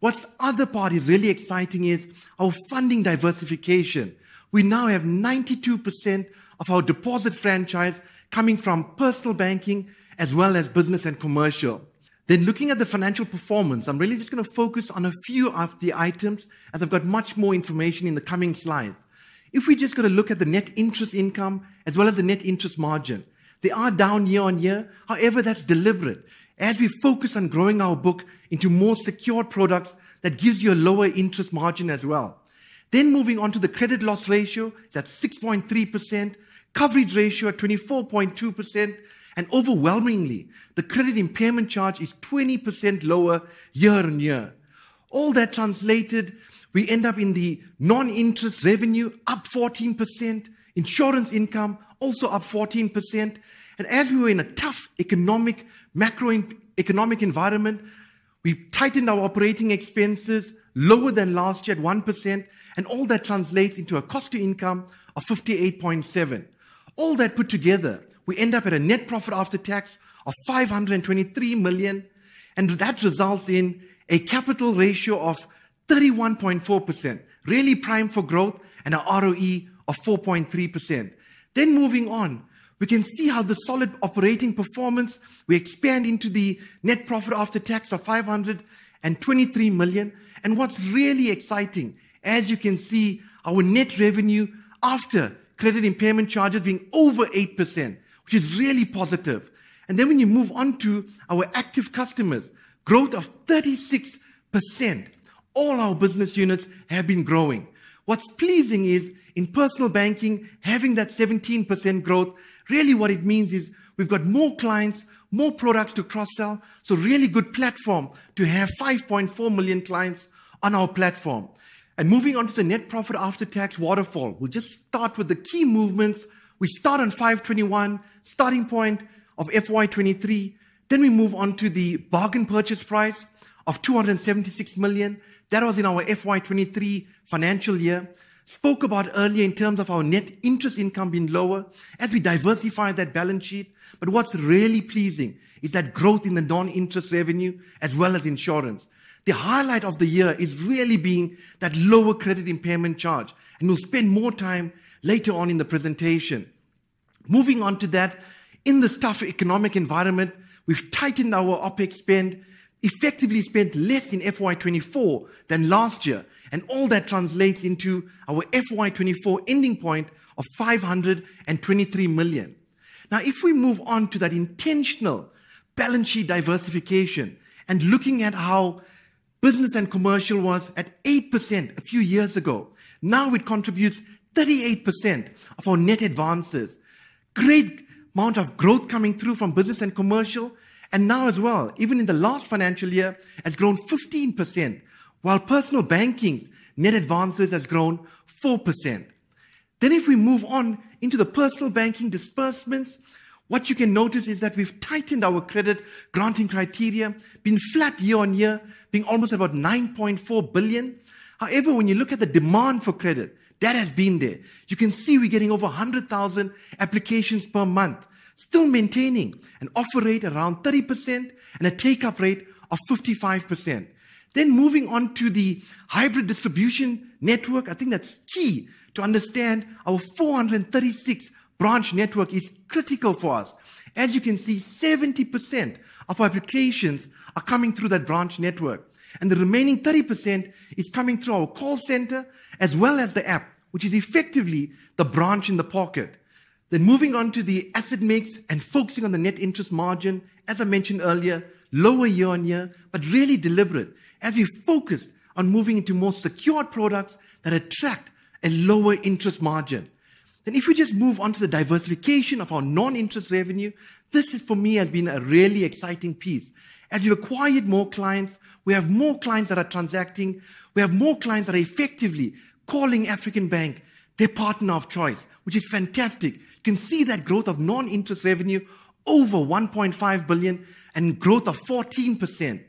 What's other part is really exciting is our funding diversification. We now have 92% of our deposit franchise coming from Personal Banking as well as Business and Commercial. Then, looking at the financial performance, I'm really just going to focus on a few of the items as I've got much more information in the coming slides. If we just go to look at the net interest income as well as the net interest margin, they are down year-on-year. However, that's deliberate as we focus on growing our book into more secure products that gives you a lower interest margin as well. Then moving on to the credit loss ratio, that's 6.3%, coverage ratio at 24.2%, and overwhelmingly, the credit impairment charge is 20% lower year-on-year. All that translated, we end up in the non-interest revenue up 14%, insurance income also up 14%. And as we were in a tough economic macroeconomic environment, we've tightened our operating expenses lower than last year at 1%, and all that translates into a cost to income of 58.7%. All that put together, we end up at a net profit after tax of 523 million, and that results in a capital ratio of 31.4%, really prime for growth and an ROE of 4.3%. Then moving on, we can see how the solid operating performance. We expand into the net profit after tax of 523 million. What's really exciting, as you can see, our net revenue after credit impairment charges being over 8%, which is really positive. Then when you move on to our active customers, growth of 36%, all our business units have been growing. What's pleasing is in Personal Banking, having that 17% growth, really what it means is we've got more clients, more products to cross-sell, so really good platform to have 5.4 million clients on our platform. Moving on to the net profit after tax waterfall, we'll just start with the key movements. We start on 521 million, starting point of FY23. Then we move on to the bargain purchase price of 276 million. That was in our FY23 financial year. Spoke about earlier in terms of our net interest income being lower as we diversify that balance sheet. But what's really pleasing is that growth in the non-interest revenue as well as insurance. The highlight of the year is really being that lower credit impairment charge, and we'll spend more time later on in the presentation. Moving on to that, in the tough economic environment, we've tightened our OpEx spend, effectively spent less in FY24 than last year, and all that translates into our FY24 ending point of 523 million. Now, if we move on to that intentional balance sheet diversification and looking at how Business and Commercial was at 8% a few years ago, now it contributes 38% of our net advances. Great amount of growth coming through from Business and Commercial, and now as well, even in the last financial year, has grown 15%, while Personal Banking's net advances has grown 4%. Then if we move on into the Personal Banking disbursements, what you can notice is that we've tightened our credit granting criteria, been flat year-on-year, being almost about 9.4 billion. However, when you look at the demand for credit, that has been there. You can see we're getting over 100,000 applications per month, still maintaining an offer rate around 30% and a take-up rate of 55%. Then moving on to the hybrid distribution network, I think that's key to understand our 436 branch network is critical for us. As you can see, 70% of our applications are coming through that branch network, and the remaining 30% is coming through our call center as well as the app, which is effectively the branch in the pocket. Then moving on to the asset mix and focusing on the net interest margin, as I mentioned earlier, lower year-on-year, but really deliberate as we focus on moving into more secure products that attract a lower interest margin. Then if we just move on to the diversification of our non-interest revenue, this has for me been a really exciting piece. As we've acquired more clients, we have more clients that are transacting. We have more clients that are effectively calling African Bank their partner of choice, which is fantastic. You can see that growth of non-interest revenue over 1.5 billion and growth of 14%.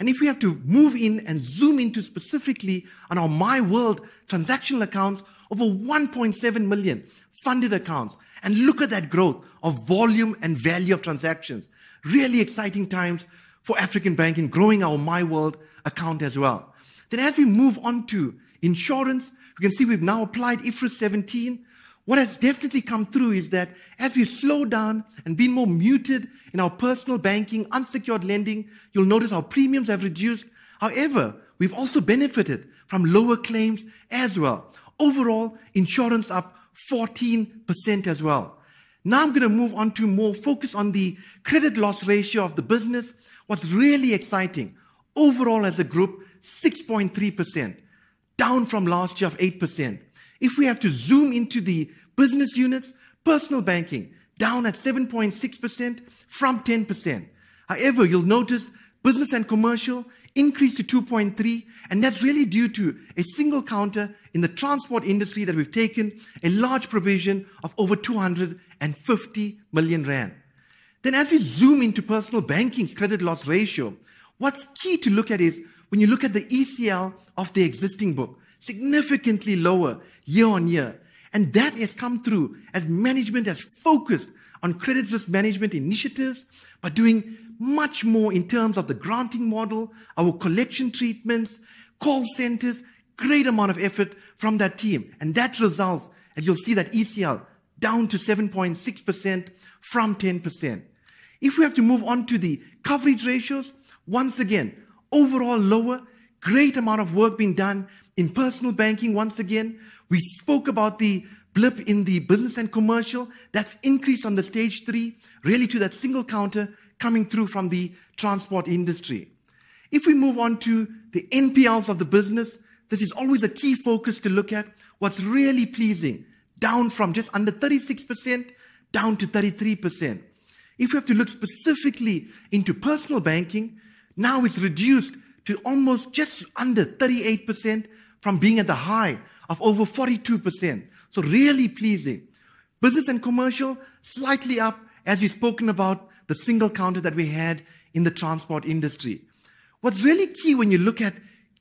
If we have to move in and zoom into specifically on our MyWORLD transactional accounts, over 1.7 million funded accounts. Look at that growth of volume and value of transactions. Really exciting times for African Bank in growing our MyWORLD account as well. As we move on to insurance, you can see we've now applied IFRS 17. What has definitely come through is that as we've slowed down and been more muted in our Personal Banking, unsecured lending, you'll notice our premiums have reduced. However, we've also benefited from lower claims as well. Overall, insurance up 14% as well. Now I'm going to move on to more focus on the credit loss ratio of the business. What's really exciting overall as a group, 6.3%, down from last year of 8%. If we have to zoom into the business units, Personal Banking down at 7.6% from 10%. However, you'll notice Business and Commercial increased to 2.3%, and that's really due to a single counter in the transport industry that we've taken a large provision of over 250 million rand. Then as we zoom into Personal Banking's credit loss ratio, what's key to look at is when you look at the ECL of the existing book, significantly lower year-on-year. And that has come through as management has focused on credit risk management initiatives by doing much more in terms of the granting model, our collection treatments, call centers, great amount of effort from that team. And that results, as you'll see, that ECL down to 7.6% from 10%. If we have to move on to the coverage ratios, once again, overall lower, great amount of work being done in Personal Banking. Once again, we spoke about the blip in the Business and Commercial that's increased on the Stage 3, really to that single counter coming through from the transport industry. If we move on to the NPLs of the business, this is always a key focus to look at. What's really pleasing down from just under 36% down to 33%. If we have to look specifically into Personal Banking, now it's reduced to almost just under 38% from being at the high of over 42%. So really pleasing. Business and Commercial slightly up as we've spoken about the single counter that we had in the transport industry. What's really key when you look at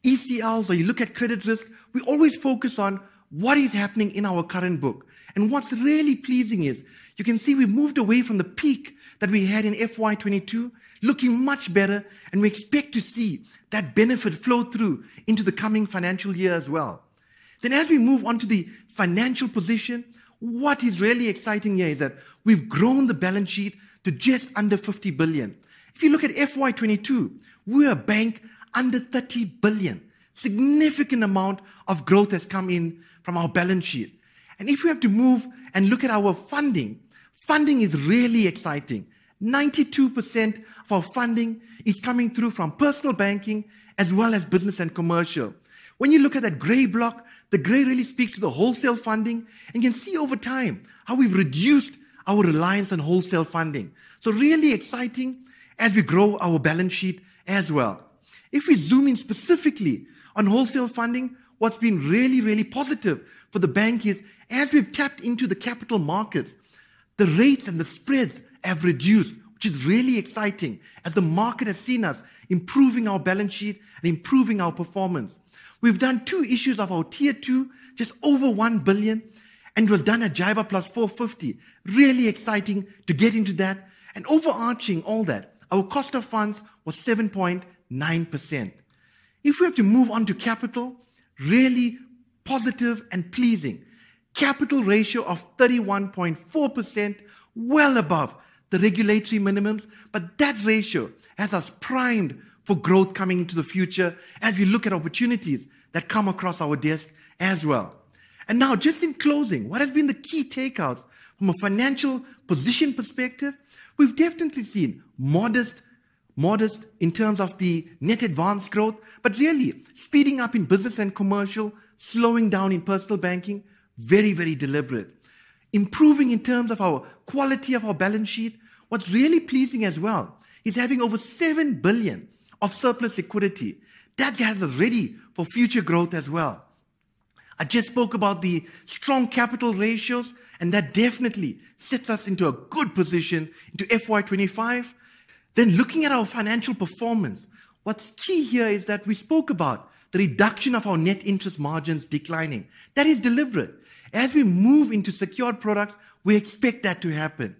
ECLs or you look at credit risk, we always focus on what is happening in our current book. What's really pleasing is you can see we've moved away from the peak that we had in FY22, looking much better, and we expect to see that benefit flow through into the coming financial year as well. As we move on to the financial position, what is really exciting here is that we've grown the balance sheet to just under 50 billion. If you look at FY22, we're a bank under 30 billion. Significant amount of growth has come in from our balance sheet. If we have to move and look at our funding, funding is really exciting. 92% of our funding is coming through from Personal Banking as well as Business and Commercial. When you look at that gray block, the gray really speaks to the wholesale funding, and you can see over time how we've reduced our reliance on wholesale funding. So really exciting as we grow our balance sheet as well. If we zoom in specifically on wholesale funding, what's been really, really positive for the bank is, as we've tapped into the capital markets, the rates and the spreads have reduced, which is really exciting as the market has seen us improving our balance sheet and improving our performance. We've done two issues of our Tier 2, just over one billion, and we've done a JIBAR plus 450, really exciting to get into that. And overarching all that, our cost of funds was 7.9%. If we have to move on to capital, really positive and pleasing. Capital ratio of 31.4%, well above the regulatory minimums, but that ratio has us primed for growth coming into the future as we look at opportunities that come across our desk as well. And now just in closing, what has been the key takeaways from a financial position perspective? We've definitely seen modest, modest in terms of the net advance growth, but really speeding up in Business and Commercial, slowing down in Personal Banking, very, very deliberate. Improving in terms of our quality of our balance sheet. What's really pleasing as well is having over 7 billion of surplus equity. That has us ready for future growth as well. I just spoke about the strong capital ratios, and that definitely sets us into a good position into FY25. Then looking at our financial performance, what's key here is that we spoke about the reduction of our net interest margins declining. That is deliberate. As we move into secured products, we expect that to happen.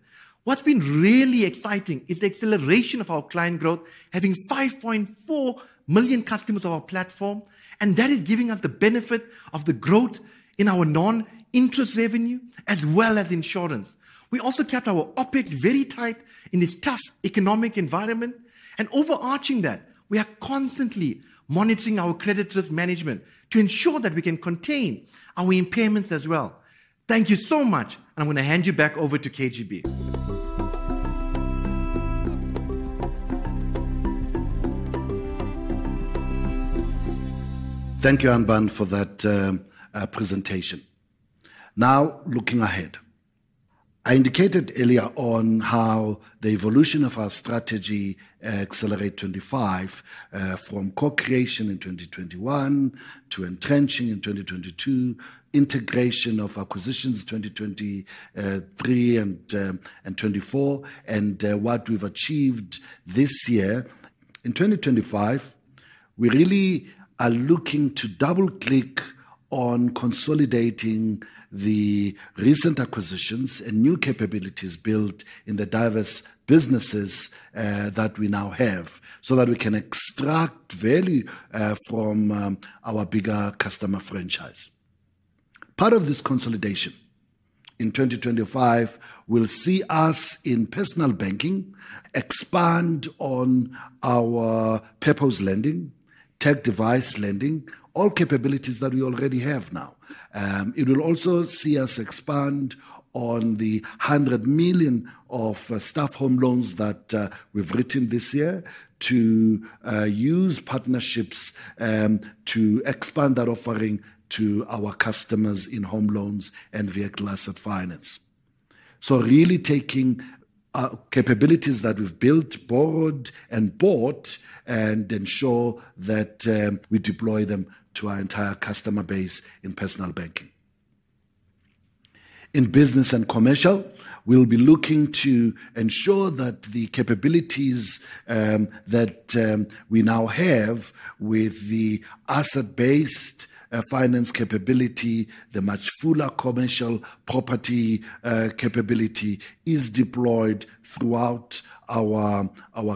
What's been really exciting is the acceleration of our client growth, having 5.4 million customers of our platform, and that is giving us the benefit of the growth in our non-interest revenue as well as insurance. We also kept our OpEx very tight in this tough economic environment, and overarching that, we are constantly monitoring our credit risk management to ensure that we can contain our impairments as well. Thank you so much, and I'm going to hand you back over to KGB. Thank you, Anbann, for that presentation. Now, looking ahead, I indicated earlier on how the evolution of our strategy, Excelerate25, from co-creation in 2021 to entrenching in 2022, integration of acquisitions in 2023 and 2024, and what we've achieved this year. In 2025, we really are looking to double-click on consolidating the recent acquisitions and new capabilities built in the diverse businesses that we now have so that we can extract value from our bigger customer franchise. Part of this consolidation in 2025 will see us in Personal Banking expand on our purpose lending, tech device lending, all capabilities that we already have now. It will also see us expand on the 100 million of staff home loans that we've written this year to use partnerships to expand that offering to our customers in home loans and vehicle asset finance. So really taking capabilities that we've built, borrowed, and bought, and ensure that we deploy them to our entire customer base in Personal Banking. In Business and Commercial, we'll be looking to ensure that the capabilities that we now have with the asset-based finance capability, the much fuller commercial property capability is deployed throughout our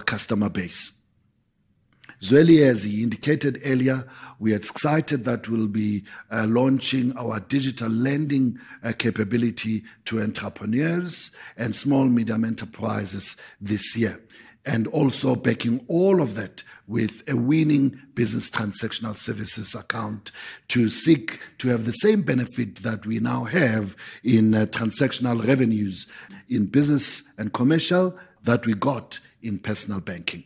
customer base. As well, as he indicated earlier, we are excited that we'll be launching our digital lending capability to entrepreneurs and small, medium enterprises this year, and also backing all of that with a winning business transactional services account to seek to have the same benefit that we now have in transactional revenues in Business and Commercial that we got in Personal Banking.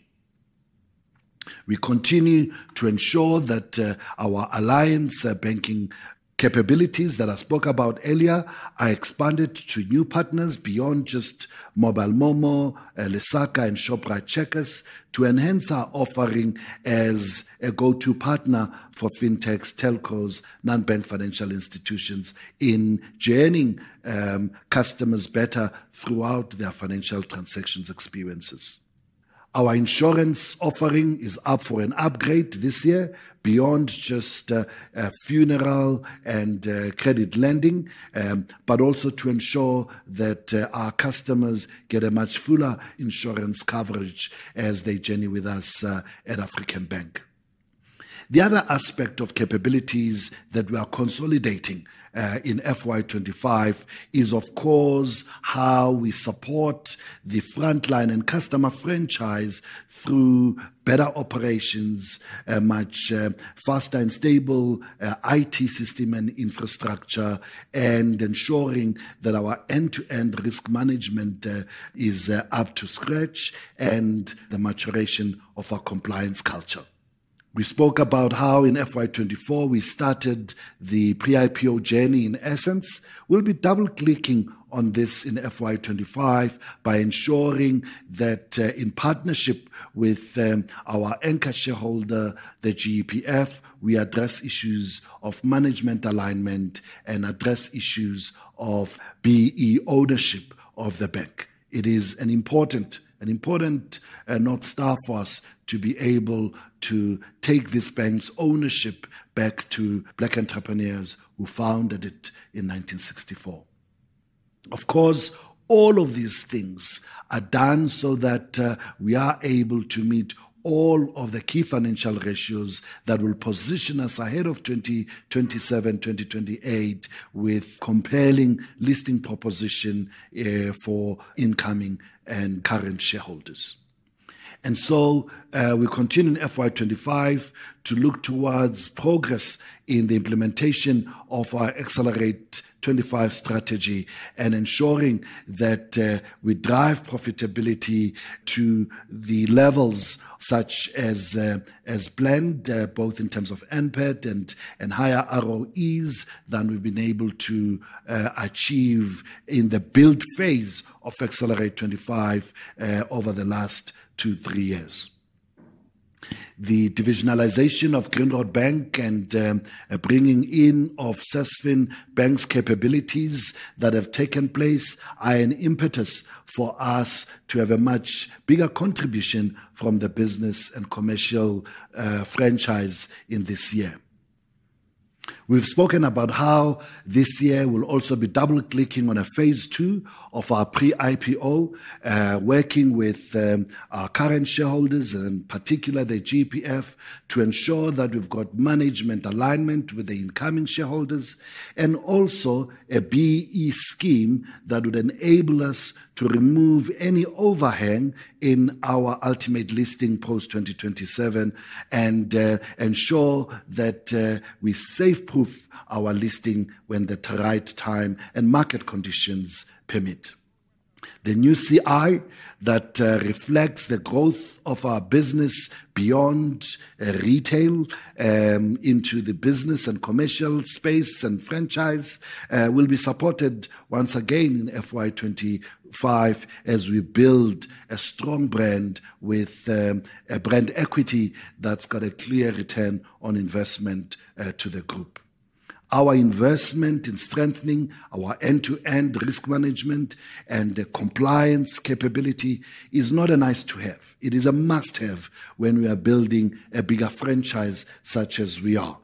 We continue to ensure that our alliance banking capabilities that I spoke about earlier are expanded to new partners beyond just MoMo, Lesaka, and Shoprite Checkers to enhance our offering as a go-to partner for fintechs, telcos, non-bank financial institutions in joining customers better throughout their financial transactions experiences. Our insurance offering is up for an upgrade this year beyond just funeral and credit lending, but also to ensure that our customers get a much fuller insurance coverage as they journey with us at African Bank. The other aspect of capabilities that we are consolidating in FY25 is, of course, how we support the frontline and customer franchise through better operations, a much faster and stable IT system and infrastructure, and ensuring that our end-to-end risk management is up to scratch and the maturation of our compliance culture. We spoke about how in FY24 we started the pre-IPO journey in essence. We'll be double-clicking on this in FY25 by ensuring that in partnership with our anchor shareholder, the GEPF, we address issues of management alignment and address issues of BEE ownership of the bank. It is an important and North Star for us to be able to take this bank's ownership back to Black entrepreneurs who founded it in 1964. Of course, all of these things are done so that we are able to meet all of the key financial ratios that will position us ahead of 2027, 2028 with compelling listing proposition, for incoming and current shareholders. We continue in FY25 to look towards progress in the implementation of our Excelerate25 strategy and ensuring that we drive profitability to the levels such as blended, both in terms of NPAT and higher ROEs than we've been able to achieve in the build phase of Excelerate25, over the last two, three years. The divisionalization of Grindrod Bank and bringing in of Sasfin Bank's capabilities that have taken place are an impetus for us to have a much bigger contribution from the Business and Commercial franchise in this year. We've spoken about how this year will also be double-clicking on a phase two of our pre-IPO, working with our current shareholders and in particular the GEPF to ensure that we've got management alignment with the incoming shareholders and also a BEE scheme that would enable us to remove any overhang in our ultimate listing post 2027 and ensure that we safe-proof our listing when the right time and market conditions permit. The new CI that reflects the growth of our business beyond retail, into the Business and Commercial space and franchise, will be supported once again in FY25 as we build a strong brand with a brand equity that's got a clear return on investment to the group. Our investment in strengthening our end-to-end risk management and compliance capability is not a nice to have. It is a must-have when we are building a bigger franchise such as we are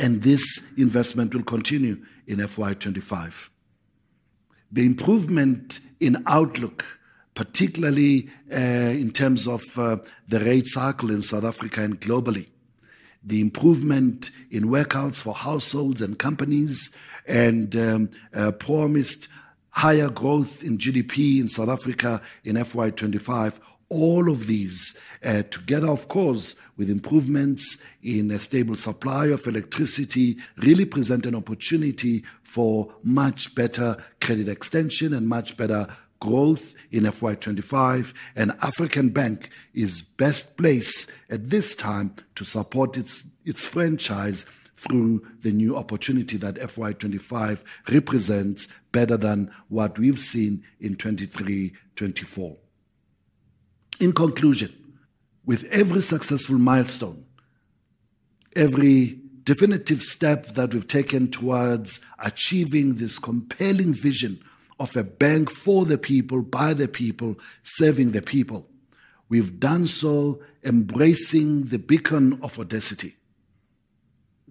and this investment will continue in FY25. The improvement in outlook, particularly in terms of the rate cycle in South Africa and globally, the improvement in workouts for households and companies, and promised higher growth in GDP in South Africa in FY25, all of these together, of course, with improvements in a stable supply of electricity, really present an opportunity for much better credit extension and much better growth in FY25. African Bank is best placed at this time to support its franchise through the new opportunity that FY25 represents better than what we've seen in 2023, 2024. In conclusion, with every successful milestone, every definitive step that we've taken towards achieving this compelling vision of a bank for the people, by the people, serving the people, we've done so embracing the beacon of audacity.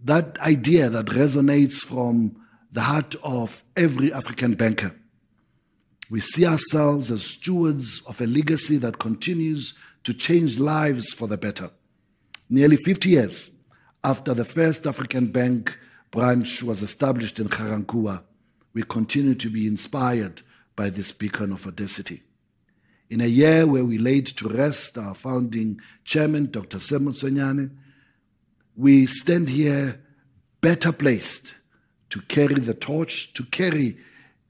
That idea that resonates from the heart of every African banker. We see ourselves as stewards of a legacy that continues to change lives for the better. Nearly 50 years after the first African Bank branch was established in Ga-Rankuwa, we continue to be inspired by this beacon of audacity. In a year where we laid to rest our founding chairman, Dr. Sam Motsuenyane, we stand here better placed to carry the torch, to carry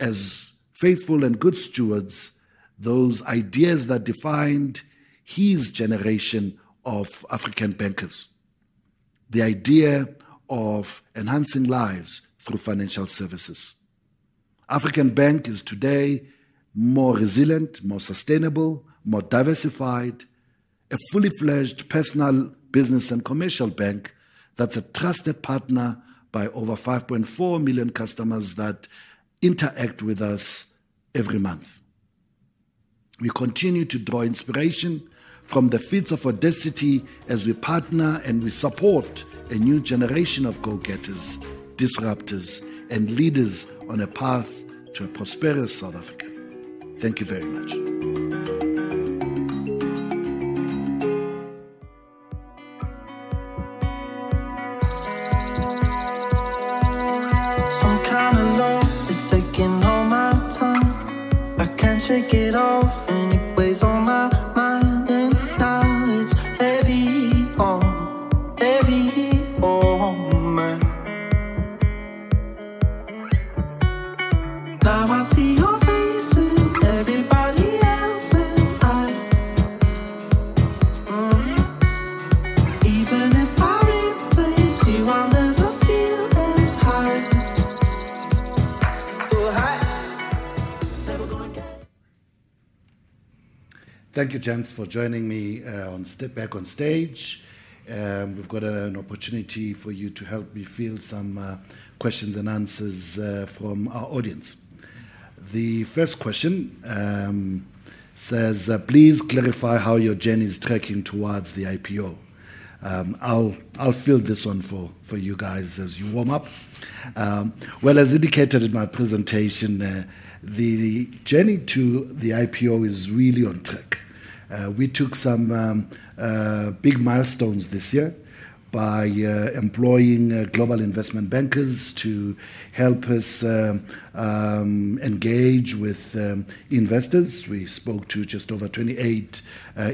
as faithful and good stewards those ideas that defined his generation of African bankers. The idea of enhancing lives through financial services. African Bank is today more resilient, more sustainable, more diversified, a fully fledged personal Business and Commercial bank that's a trusted partner by over 5.4 million customers that interact with us every month. We continue to draw inspiration from the feats of audacity as we partner and we support a new generation of go-getters, disruptors, and leaders on a path to a prosperous South Africa. Thank you very much. Thank you, gents, for joining me on Step Back on Stage. We've got an opportunity for you to help me field some questions and answers from our audience. The first question says, "Please clarify how your journey is tracking towards the IPO." I'll fill this one for you guys as you warm up. Well, as indicated in my presentation, the journey to the IPO is really on track. We took some big milestones this year by employing global investment bankers to help us engage with investors. We spoke to just over 28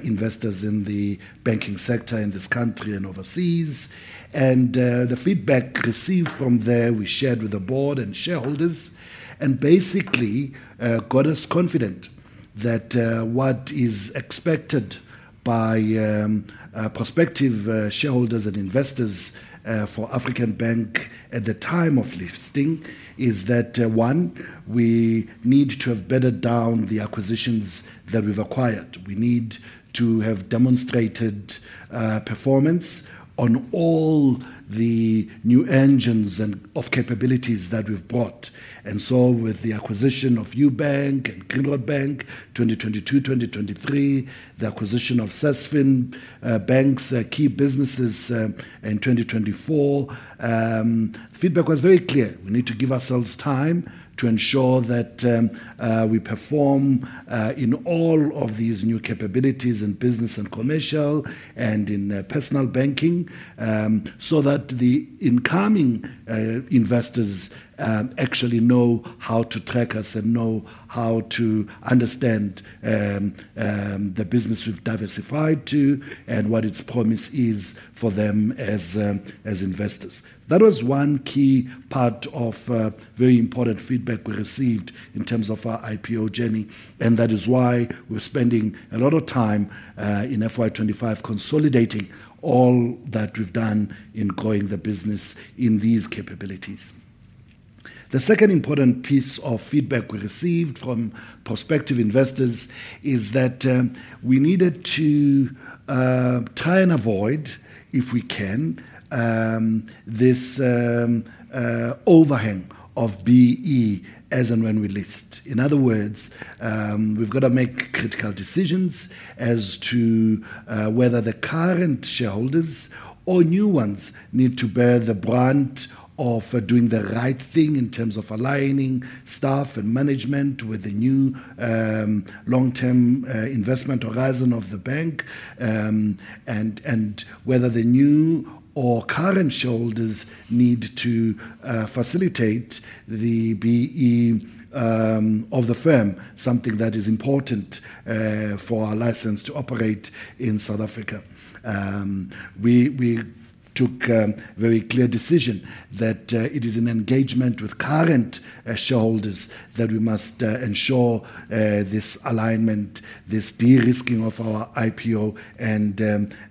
investors in the banking sector in this country and overseas. The feedback received from there, we shared with the board and shareholders and basically got us confident that what is expected by prospective shareholders and investors for African Bank at the time of listing is that one, we need to have bedded down the acquisitions that we've acquired. We need to have demonstrated performance on all the new engines and capabilities that we've brought. With the acquisition of Ubank and Grindrod Bank 2022, 2023, the acquisition of Sasfin Bank's key businesses in 2024, feedback was very clear. We need to give ourselves time to ensure that we perform in all of these new capabilities in Business and Commercial and in Personal Banking, so that the incoming investors actually know how to track us and know how to understand the business we've diversified to and what its promise is for them as investors. That was one key part of very important feedback we received in terms of our IPO journey. And that is why we're spending a lot of time in FY25 consolidating all that we've done in growing the business in these capabilities. The second important piece of feedback we received from prospective investors is that we needed to try and avoid, if we can, this overhang of BEE as and when we list. In other words, we've got to make critical decisions as to whether the current shareholders or new ones need to bear the brunt of doing the right thing in terms of aligning staff and management with the new long-term investment horizon of the bank, and whether the new or current shareholders need to facilitate the BEE of the firm, something that is important for our license to operate in South Africa. We took a very clear decision that it is an engagement with current shareholders that we must ensure this alignment, this de-risking of our IPO and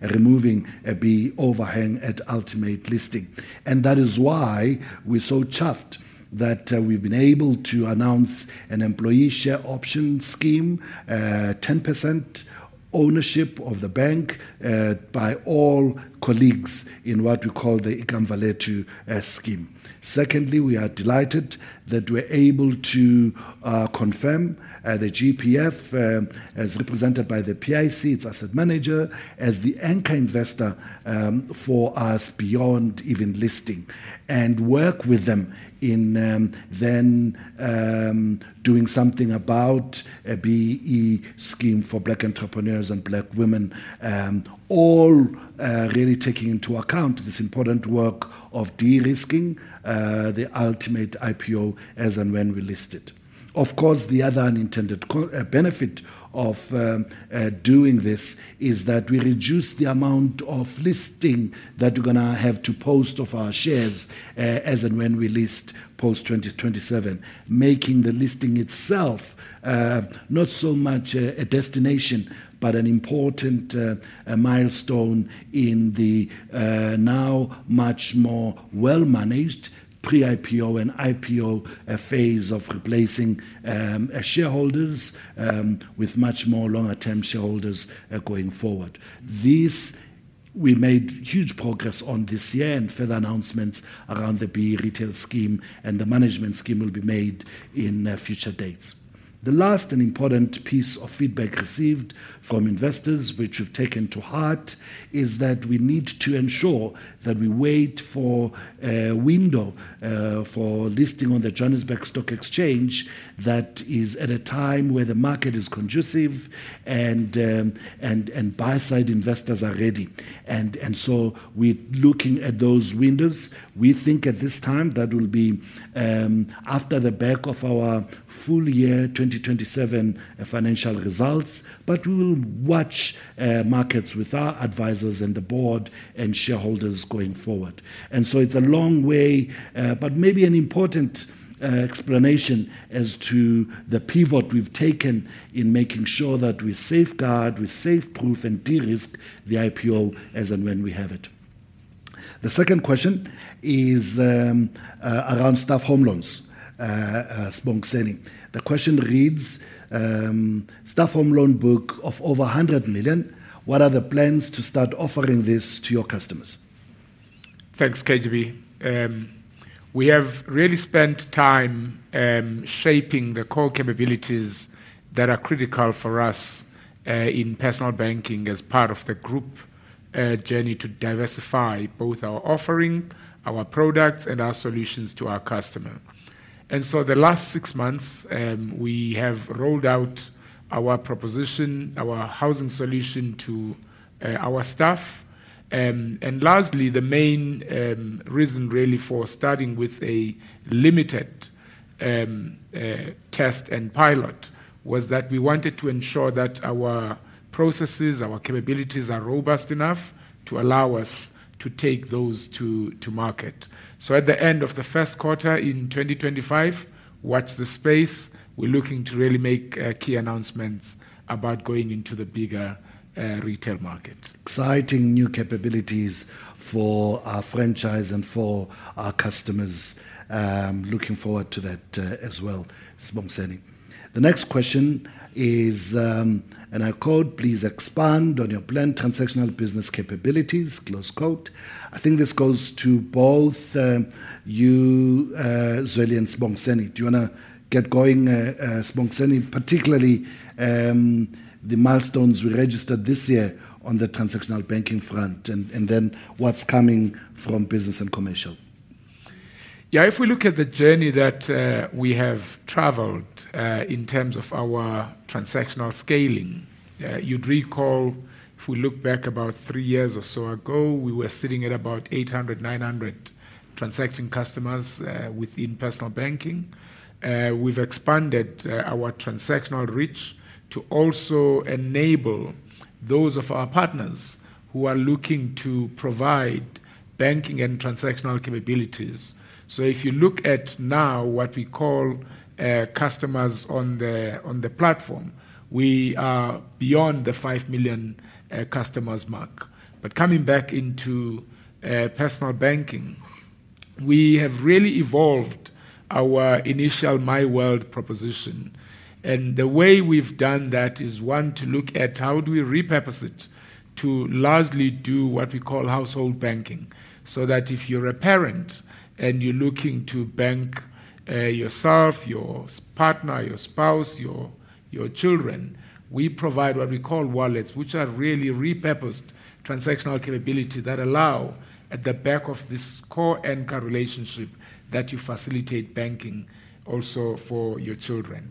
removing a BEE overhang at ultimate listing. And that is why we're so chuffed that we've been able to announce an employee share option scheme, 10% ownership of the bank, by all colleagues in what we call the Ikamva Lethu scheme. Secondly, we are delighted that we're able to confirm the GEPF, as represented by the PIC, its asset manager, as the anchor investor for us beyond even listing and work with them in then doing something about a BEE scheme for Black entrepreneurs and Black women, all really taking into account this important work of de-risking the ultimate IPO as and when we listed. Of course, the other unintended benefit of doing this is that we reduce the amount of listing that we're going to have to post of our shares, as and when we list post 2027, making the listing itself not so much a destination, but an important milestone in the now much more well-managed pre-IPO and IPO phase of replacing shareholders with much more longer-term shareholders going forward. This, we made huge progress on this year and further announcements around the BEE retail scheme and the management scheme will be made in future dates. The last and important piece of feedback received from investors, which we've taken to heart, is that we need to ensure that we wait for a window for listing on the Johannesburg Stock Exchange that is at a time where the market is conducive and buy-side investors are ready. So we're looking at those windows. We think at this time that will be after the back of our full year 2027 financial results, but we will watch markets with our advisors and the board and shareholders going forward. It's a long way, but maybe an important explanation as to the pivot we've taken in making sure that we safeguard, we safe-proof and de-risk the IPO as and when we have it. The second question is around staff home loans, Sibongiseni. The question reads, staff home loan book of over 100 million. What are the plans to start offering this to your customers? Thanks, KGB. We have really spent time shaping the core capabilities that are critical for us in Personal Banking as part of the group journey to diversify both our offering, our products, and our solutions to our customer. And so the last six months, we have rolled out our proposition, our housing solution to our staff. And largely the main reason really for starting with a limited test and pilot was that we wanted to ensure that our processes, our capabilities are robust enough to allow us to take those to market. At the end of the first quarter in 2025, watch this space. We're looking to really make key announcements about going into the bigger retail market. Exciting new capabilities for our franchise and for our customers. I'm looking forward to that as well, Sibongiseni. The next question is, and I quote, "Please expand on your planned transactional business capabilities." Close quote. I think this goes to both you, Zweli and Sibongiseni. Do you want to get going, Sibongiseni, particularly the milestones we registered this year on the transactional banking front and, and then what's coming from Business and Commercial? Yeah, if we look at the journey that we have traveled in terms of our transactional scaling, you'd recall if we look back about three years or so ago, we were sitting at about 800, 900 transacting customers within Personal Banking. We've expanded our transactional reach to also enable those of our partners who are looking to provide banking and transactional capabilities. So if you look at now what we call customers on the on the platform, we are beyond the five million customers mark. But coming back into Personal Banking, we have really evolved our initial MyWORLD proposition. And the way we've done that is one to look at how do we repurpose it to largely do what we call household banking so that if you're a parent and you're looking to bank yourself, your partner, your spouse, your children, we provide what we call wallets, which are really repurposed transactional capability that allow at the back of this core anchor relationship that you facilitate banking also for your children.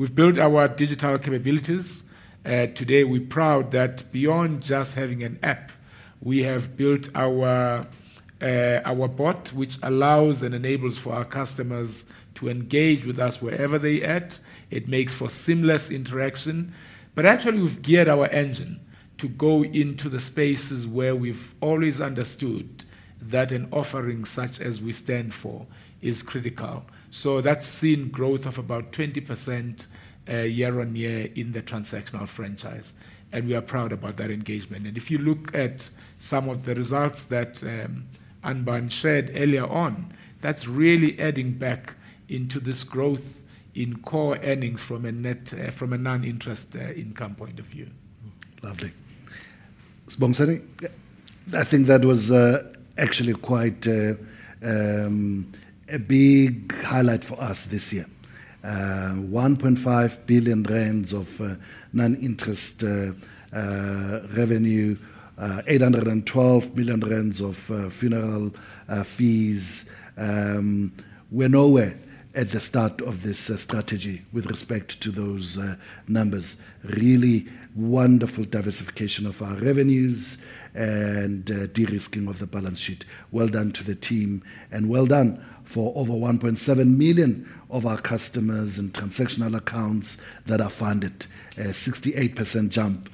We've built our digital capabilities. Today we're proud that beyond just having an app, we have built our bot, which allows and enables for our customers to engage with us wherever they're at. It makes for seamless interaction. But actually, we've geared our engine to go into the spaces where we've always understood that an offering such as we stand for is critical. So that's seen growth of about 20% year-on-year in the transactional franchise. And we are proud about that engagement. And if you look at some of the results that Anbann shared earlier on, that's really adding back into this growth in core earnings from a non-interest income point of view. Lovely. Sibongiseni, I think that was actually quite a big highlight for us this year. 1.5 billion of non-interest revenue, 812 million of funeral fees. We're nowhere near the start of this strategy with respect to those numbers. Really wonderful diversification of our revenues and de-risking of the balance sheet. Well done to the team and well done for over 1.7 million of our customers and transactional accounts that are funded. A 68% jump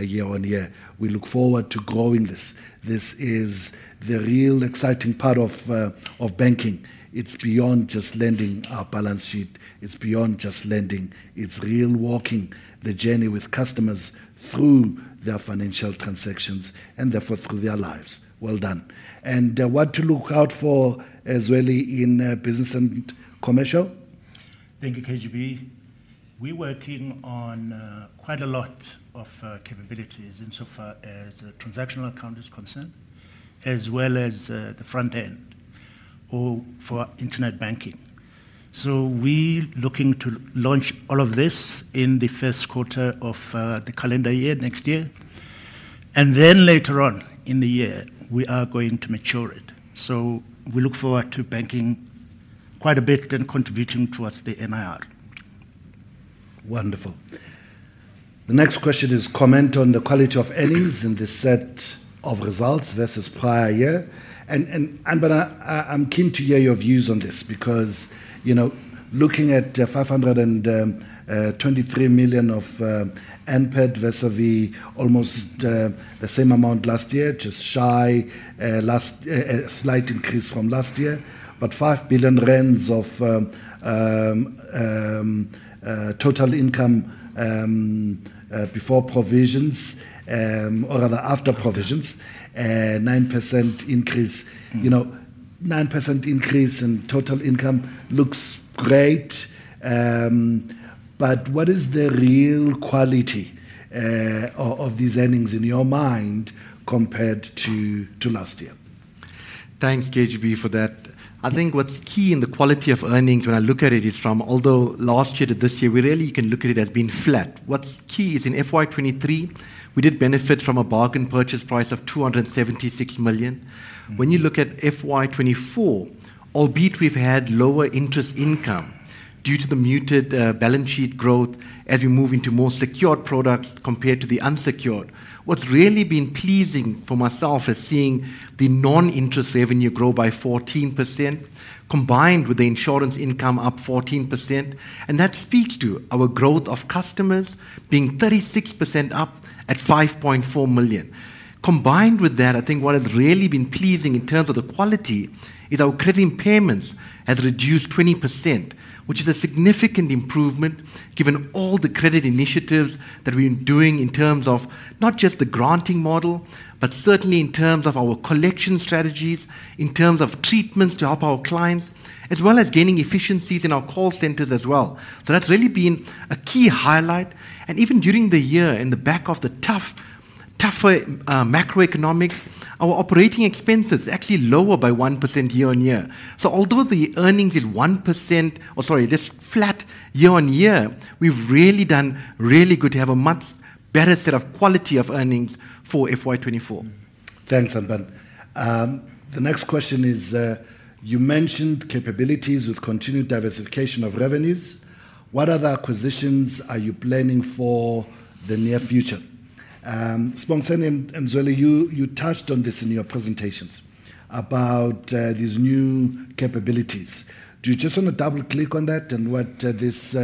year-on-year. We look forward to growing this. This is the real exciting part of banking. It's beyond just lending our balance sheet. It's beyond just lending. It's real walking the journey with customers through their financial transactions and therefore through their lives. Well done. And what to look out for as really in Business and Commercial? Thank you, KGB. We're working on quite a lot of capabilities insofar as transactional account is concerned, as well as the front end or for internet banking. So we're looking to launch all of this in the first quarter of the calendar year next year. And then later on in the year, we are going to mature it. So we look forward to banking quite a bit and contributing towards the NIR. Wonderful. The next question is: comment on the quality of earnings in the set of results versus prior year. I'm keen to hear your views on this because, you know, looking at 523 million of NPAT versus almost the same amount last year, just shy last, a slight increase from last year, but ZAR 5 billion of total income, before provisions, or rather after provisions, 9% increase, you know, 9% increase in total income looks great. What is the real quality of these earnings in your mind compared to last year? Thanks, KGB, for that. I think what's key in the quality of earnings when I look at it is from, although last year to this year, we really can look at it as being flat. What's key is in FY23, we did benefit from a bargain purchase price of 276 million. When you look at FY24, albeit we've had lower interest income due to the muted balance sheet growth as we move into more secured products compared to the unsecured. What's really been pleasing for myself is seeing the non-interest revenue grow by 14% combined with the insurance income up 14%, and that speaks to our growth of customers being 36% up at 5.4 million. Combined with that, I think what has really been pleasing in terms of the quality is our credit impairments has reduced 20%, which is a significant improvement given all the credit initiatives that we're doing in terms of not just the granting model, but certainly in terms of our collection strategies, in terms of treatments to help our clients, as well as gaining efficiencies in our call centers as well, so that's really been a key highlight. And even during the year in the back of the tough, tougher, macroeconomics, our operating expenses actually lower by 1% year-on-year. So although the earnings is 1% or sorry, this flat year-on-year, we've really done really good to have a much better set of quality of earnings for FY24. Thanks, Anbann. The next question is, you mentioned capabilities with continued diversification of revenues. What other acquisitions are you planning for the near future? Sibongiseni and Zweli, you, you touched on this in your presentations about, these new capabilities. Do you just want to double click on that and what this,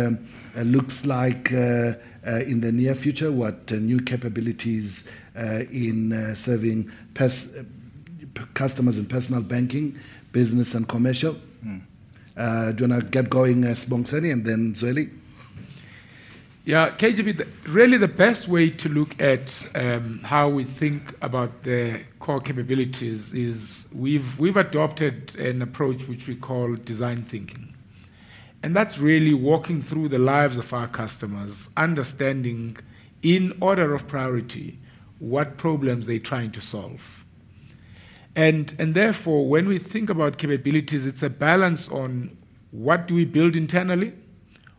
looks like, in the near future? What new capabilities, in, serving customers in Personal Banking, Business and Commercial? Mm-hmm. Do you want to get going, Sibongiseni and then Zweli? Yeah, KGB, really the best way to look at how we think about the core capabilities is we've adopted an approach which we call design thinking. That's really walking through the lives of our customers, understanding in order of priority what problems they're trying to solve. Therefore, when we think about capabilities, it's a balance on what do we build internally,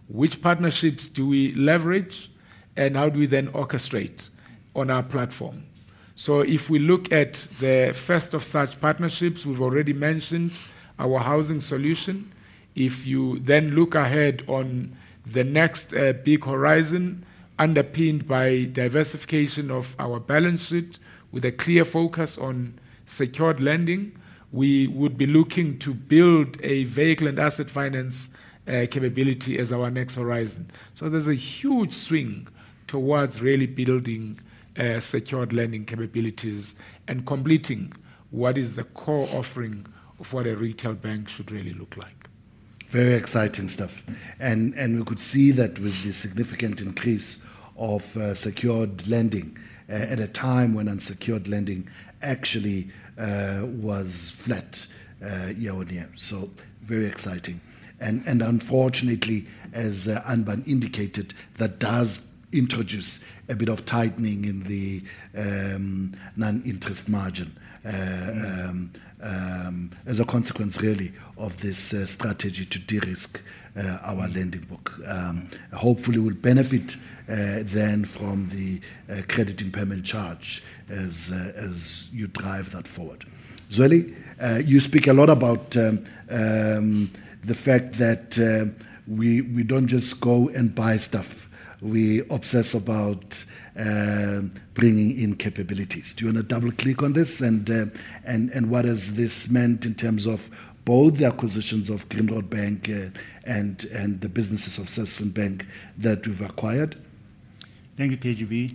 which partnerships do we leverage, and how do we then orchestrate on our platform. If we look at the first of such partnerships, we've already mentioned our housing solution. If you then look ahead on the next big horizon underpinned by diversification of our balance sheet with a clear focus on secured lending, we would be looking to build a vehicle and asset finance capability as our next horizon. So there's a huge swing towards really building secured lending capabilities and completing what is the core offering of what a retail bank should really look like. Very exciting stuff. And we could see that with the significant increase of secured lending at a time when unsecured lending actually was flat year-on-year. So very exciting. And unfortunately, as Anbann indicated, that does introduce a bit of tightening in the net interest margin as a consequence really of this strategy to de-risk our lending book. Hopefully we'll benefit then from the credit impairment charge as you drive that forward. Zweli, you speak a lot about the fact that we don't just go and buy stuff. We obsess about bringing in capabilities. Do you want to double click on this and what has this meant in terms of both the acquisitions of Grindrod Bank, and the businesses of Sasfin Bank that we've acquired? Thank you, KGB.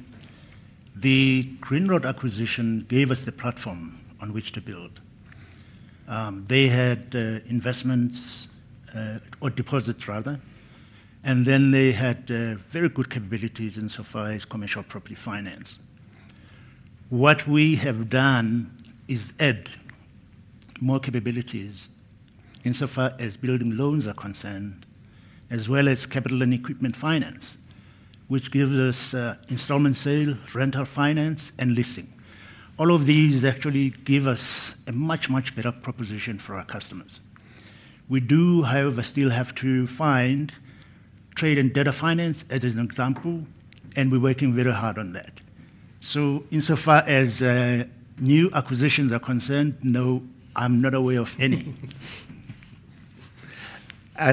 The Grindrod acquisition gave us the platform on which to build. They had investments, or deposits rather, and then they had very good capabilities insofar as commercial property finance. What we have done is add more capabilities insofar as business loans are concerned, as well as capital and equipment finance, which gives us installment sale, rental finance, and leasing. All of these actually give us a much, much better proposition for our customers. We do, however, still have to find trade and debtor finance as an example, and we're working very hard on that. So insofar as new acquisitions are concerned, no, I'm not aware of any. I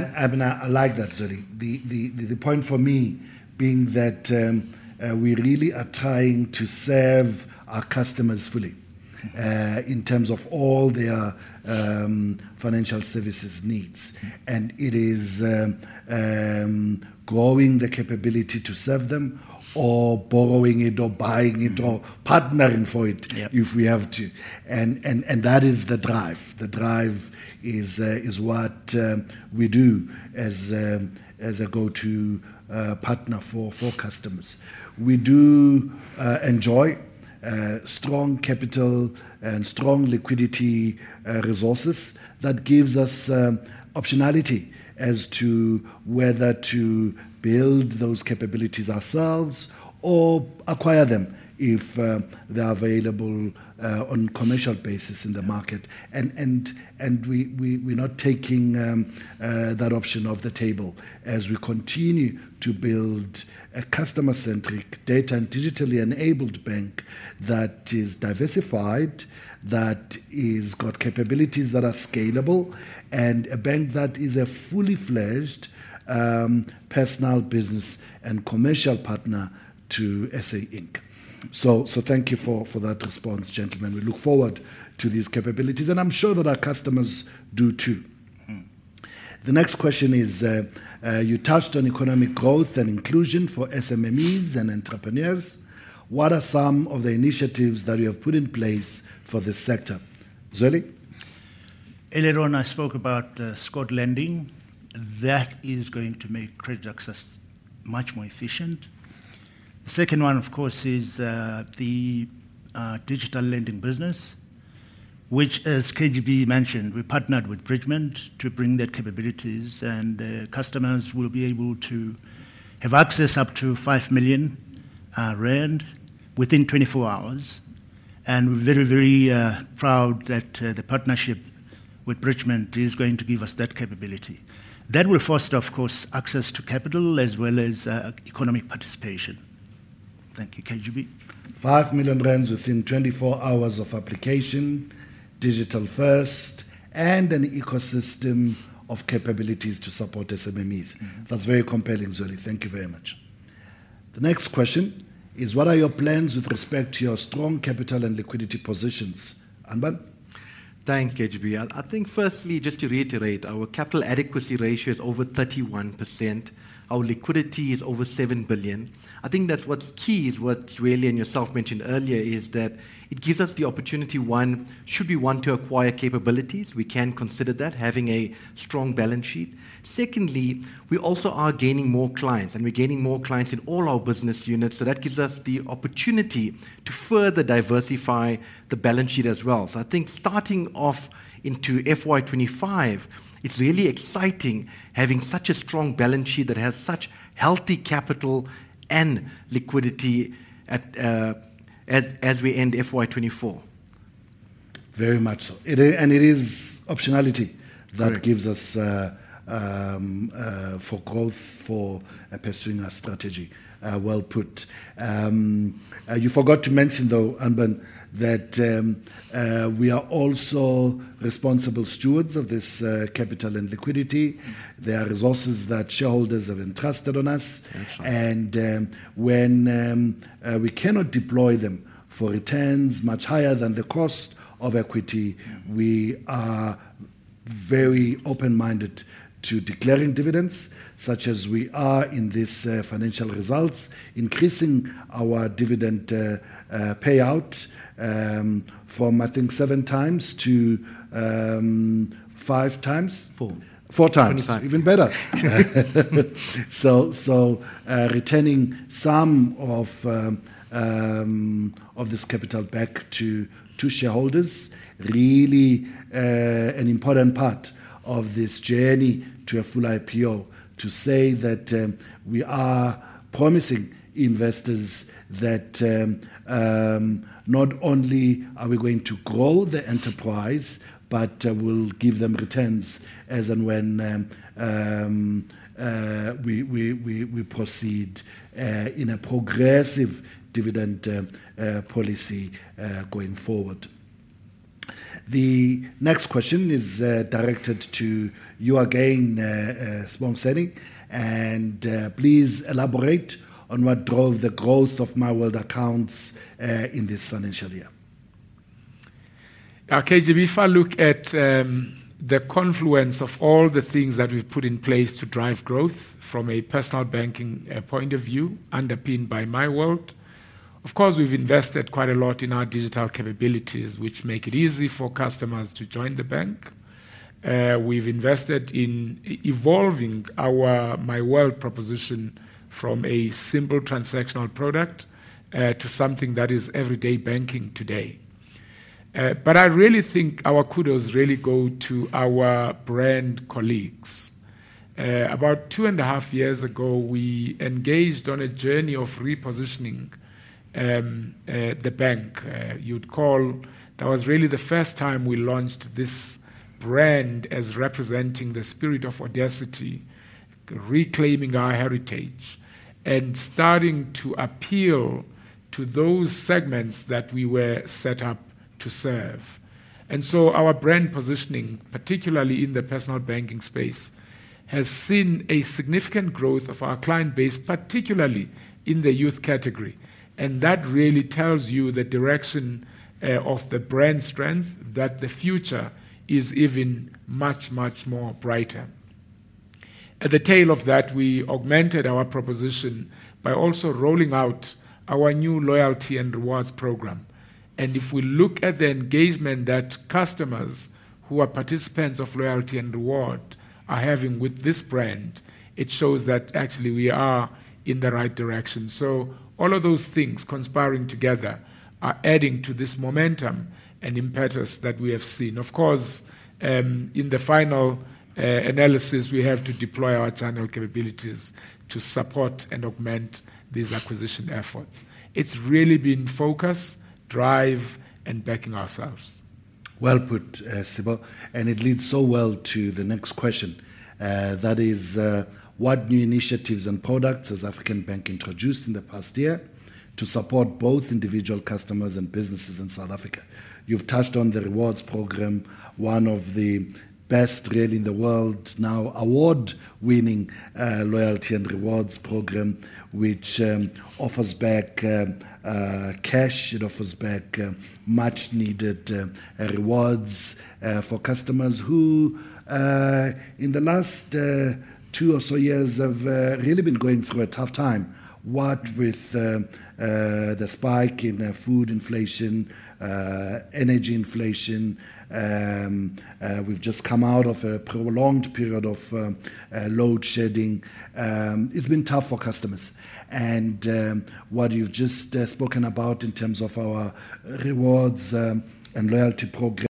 like that, Zweli. The point for me being that we really are trying to serve our customers fully in terms of all their financial services needs. And it is growing the capability to serve them or borrowing it or buying it or partnering for it if we have to. That is the drive. The drive is what we do as a go-to partner for customers. We enjoy strong capital and strong liquidity resources that gives us optionality as to whether to build those capabilities ourselves or acquire them if they are available on a commercial basis in the market. We're not taking that option off the table as we continue to build a customer-centric data and digitally enabled bank that is diversified, that has got capabilities that are scalable, and a bank that is a fully fledged personal Business and Commercial partner to SA Inc. So thank you for that response, gentlemen. We look forward to these capabilities, and I'm sure that our customers do too. The next question is, you touched on economic growth and inclusion for SMMEs and entrepreneurs. What are some of the initiatives that you have put in place for the sector? Zweli? Earlier on, I spoke about scored lending. That is going to make credit access much more efficient. The second one, of course, is the digital lending business, which, as KGB mentioned, we partnered with Bridgement to bring that capabilities, and customers will be able to have access up to 5 million rand within 24 hours. And we're very, very proud that the partnership with Bridgement is going to give us that capability. That will foster, of course, access to capital as well as economic participation. Thank you, KGB. 5 million rand within 24 hours of application, digital first, and an ecosystem of capabilities to support SMMEs. That's very compelling, Zweli. Thank you very much. The next question is, what are your plans with respect to your strong capital and liquidity positions, Anbann? Thanks, KGB. I think firstly, just to reiterate, our capital adequacy ratio is over 31%. Our liquidity is over 7 billion. I think that what's key is what Zweli and yourself mentioned earlier is that it gives us the opportunity, one, should we want to acquire capabilities, we can consider that having a strong balance sheet. Secondly, we also are gaining more clients, and we're gaining more clients in all our business units. So that gives us the opportunity to further diversify the balance sheet as well. So I think starting off into FY25, it's really exciting having such a strong balance sheet that has such healthy capital and liquidity at, as we end FY24. Very much so. And it is optionality that gives us, for growth for pursuing our strategy. Well put. You forgot to mention, though, Anbann, that, we are also responsible stewards of this, capital and liquidity. There are resources that shareholders have entrusted on us. When we cannot deploy them for returns much higher than the cost of equity, we are very open-minded to declaring dividends, such as we are in this financial results, increasing our dividend payout from, I think, seven times to five times. Four. Four times. 25. Even better. So returning some of this capital back to our shareholders really an important part of this journey to a full IPO to say that we are promising investors that not only are we going to grow the enterprise, but we'll give them returns as and when we proceed in a progressive dividend policy going forward. The next question is directed to you again, Sibongiseni, and please elaborate on what drove the growth of MyWORLD accounts in this financial year. Our KGB, if I look at the confluence of all the things that we've put in place to drive growth from a Personal Banking point of view, underpinned by MyWORLD, of course, we've invested quite a lot in our digital capabilities, which make it easy for customers to join the bank. We've invested in evolving our MyWORLD proposition from a simple transactional product, to something that is everyday banking today. But I really think our kudos really go to our brand colleagues. About two and a half years ago, we engaged on a journey of repositioning the bank, you'd call. That was really the first time we launched this brand as representing the spirit of audacity, reclaiming our heritage and starting to appeal to those segments that we were set up to serve. And so our brand positioning, particularly in the Personal Banking space, has seen a significant growth of our client base, particularly in the youth category. And that really tells you the direction of the brand strength that the future is even much, much more brighter. At the tail of that, we augmented our proposition by also rolling out our new loyalty and rewards program. And if we look at the engagement that customers who are participants of loyalty and reward are having with this brand, it shows that actually we are in the right direction. So all of those things conspiring together are adding to this momentum and impetus that we have seen. Of course, in the final analysis, we have to deploy our channel capabilities to support and augment these acquisition efforts. It's really been focus, drive, and backing ourselves. Well put, Sibo. It leads so well to the next question, that is, what new initiatives and products has African Bank introduced in the past year to support both individual customers and businesses in South Africa? You've touched on the rewards program, one of the best really in the world, now award-winning, loyalty and rewards program, which offers back cash. It offers back much-needed rewards for customers who, in the last two or so years have really been going through a tough time. What with the spike in food inflation, energy inflation, we've just come out of a prolonged period of load shedding. It's been tough for customers. What you've just spoken about in terms of our rewards and loyalty program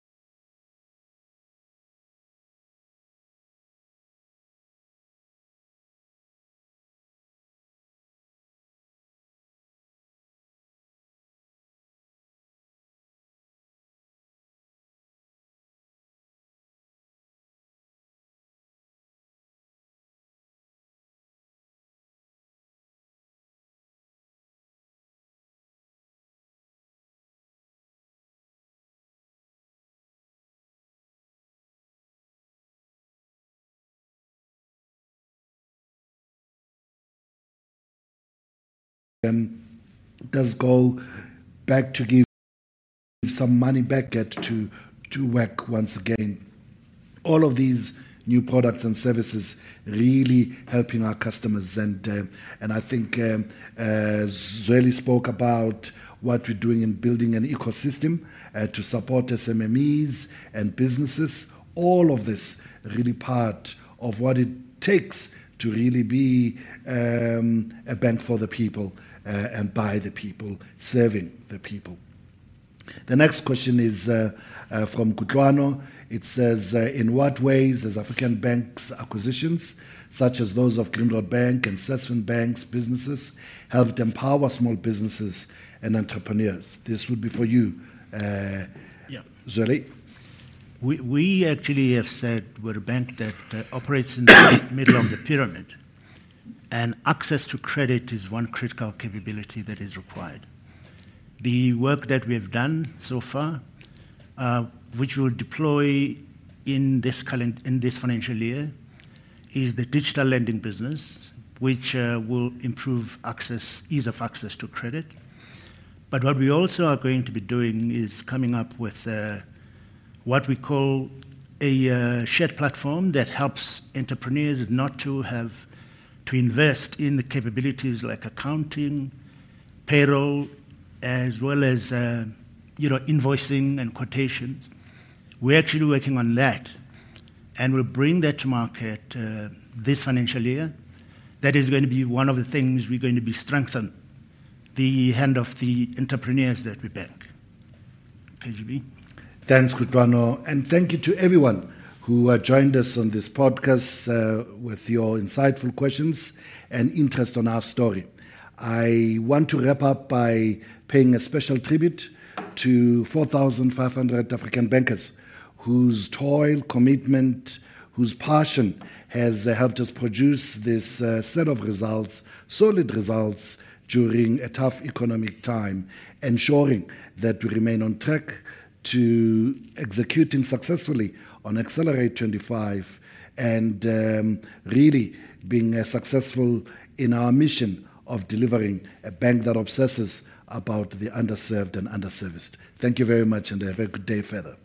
does go back to give some money back to, to work once again. All of these new products and services really helping our customers. I think Zweli spoke about what we're doing in building an ecosystem to support SMMEs and businesses. All of this really part of what it takes to really be a bank for the people, and by the people, serving the people. The next question is from Kutlwano. It says, in what ways has African Bank's acquisitions, such as those of Grindrod Bank and Sasfin Bank's businesses, helped empower small businesses and entrepreneurs? This would be for you, Zweli. We actually have said we're a bank that operates in the middle of the pyramid, and access to credit is one critical capability that is required. The work that we have done so far, which we'll deploy in this calendar, in this financial year, is the digital lending business, which will improve access, ease of access to credit. But what we also are going to be doing is coming up with what we call a shared platform that helps entrepreneurs not to have to invest in the capabilities like accounting, payroll, as well as, you know, invoicing and quotations. We're actually working on that, and we'll bring that to market this financial year. That is going to be one of the things we're going to be strengthening, the hand of the entrepreneurs that we bank. KGB. Thanks, Kutlwano, and thank you to everyone who joined us on this podcast with your insightful questions and interest in our story. I want to wrap up by paying a special tribute to 4,500 African bankers whose toil, commitment, whose passion has helped us produce this set of results, solid results during a tough economic time, ensuring that we remain on track to executing successfully on Excelerate25 and, really being successful in our mission of delivering a bank that obsesses about the underserved and underserviced. Thank you very much, and have a very good day further.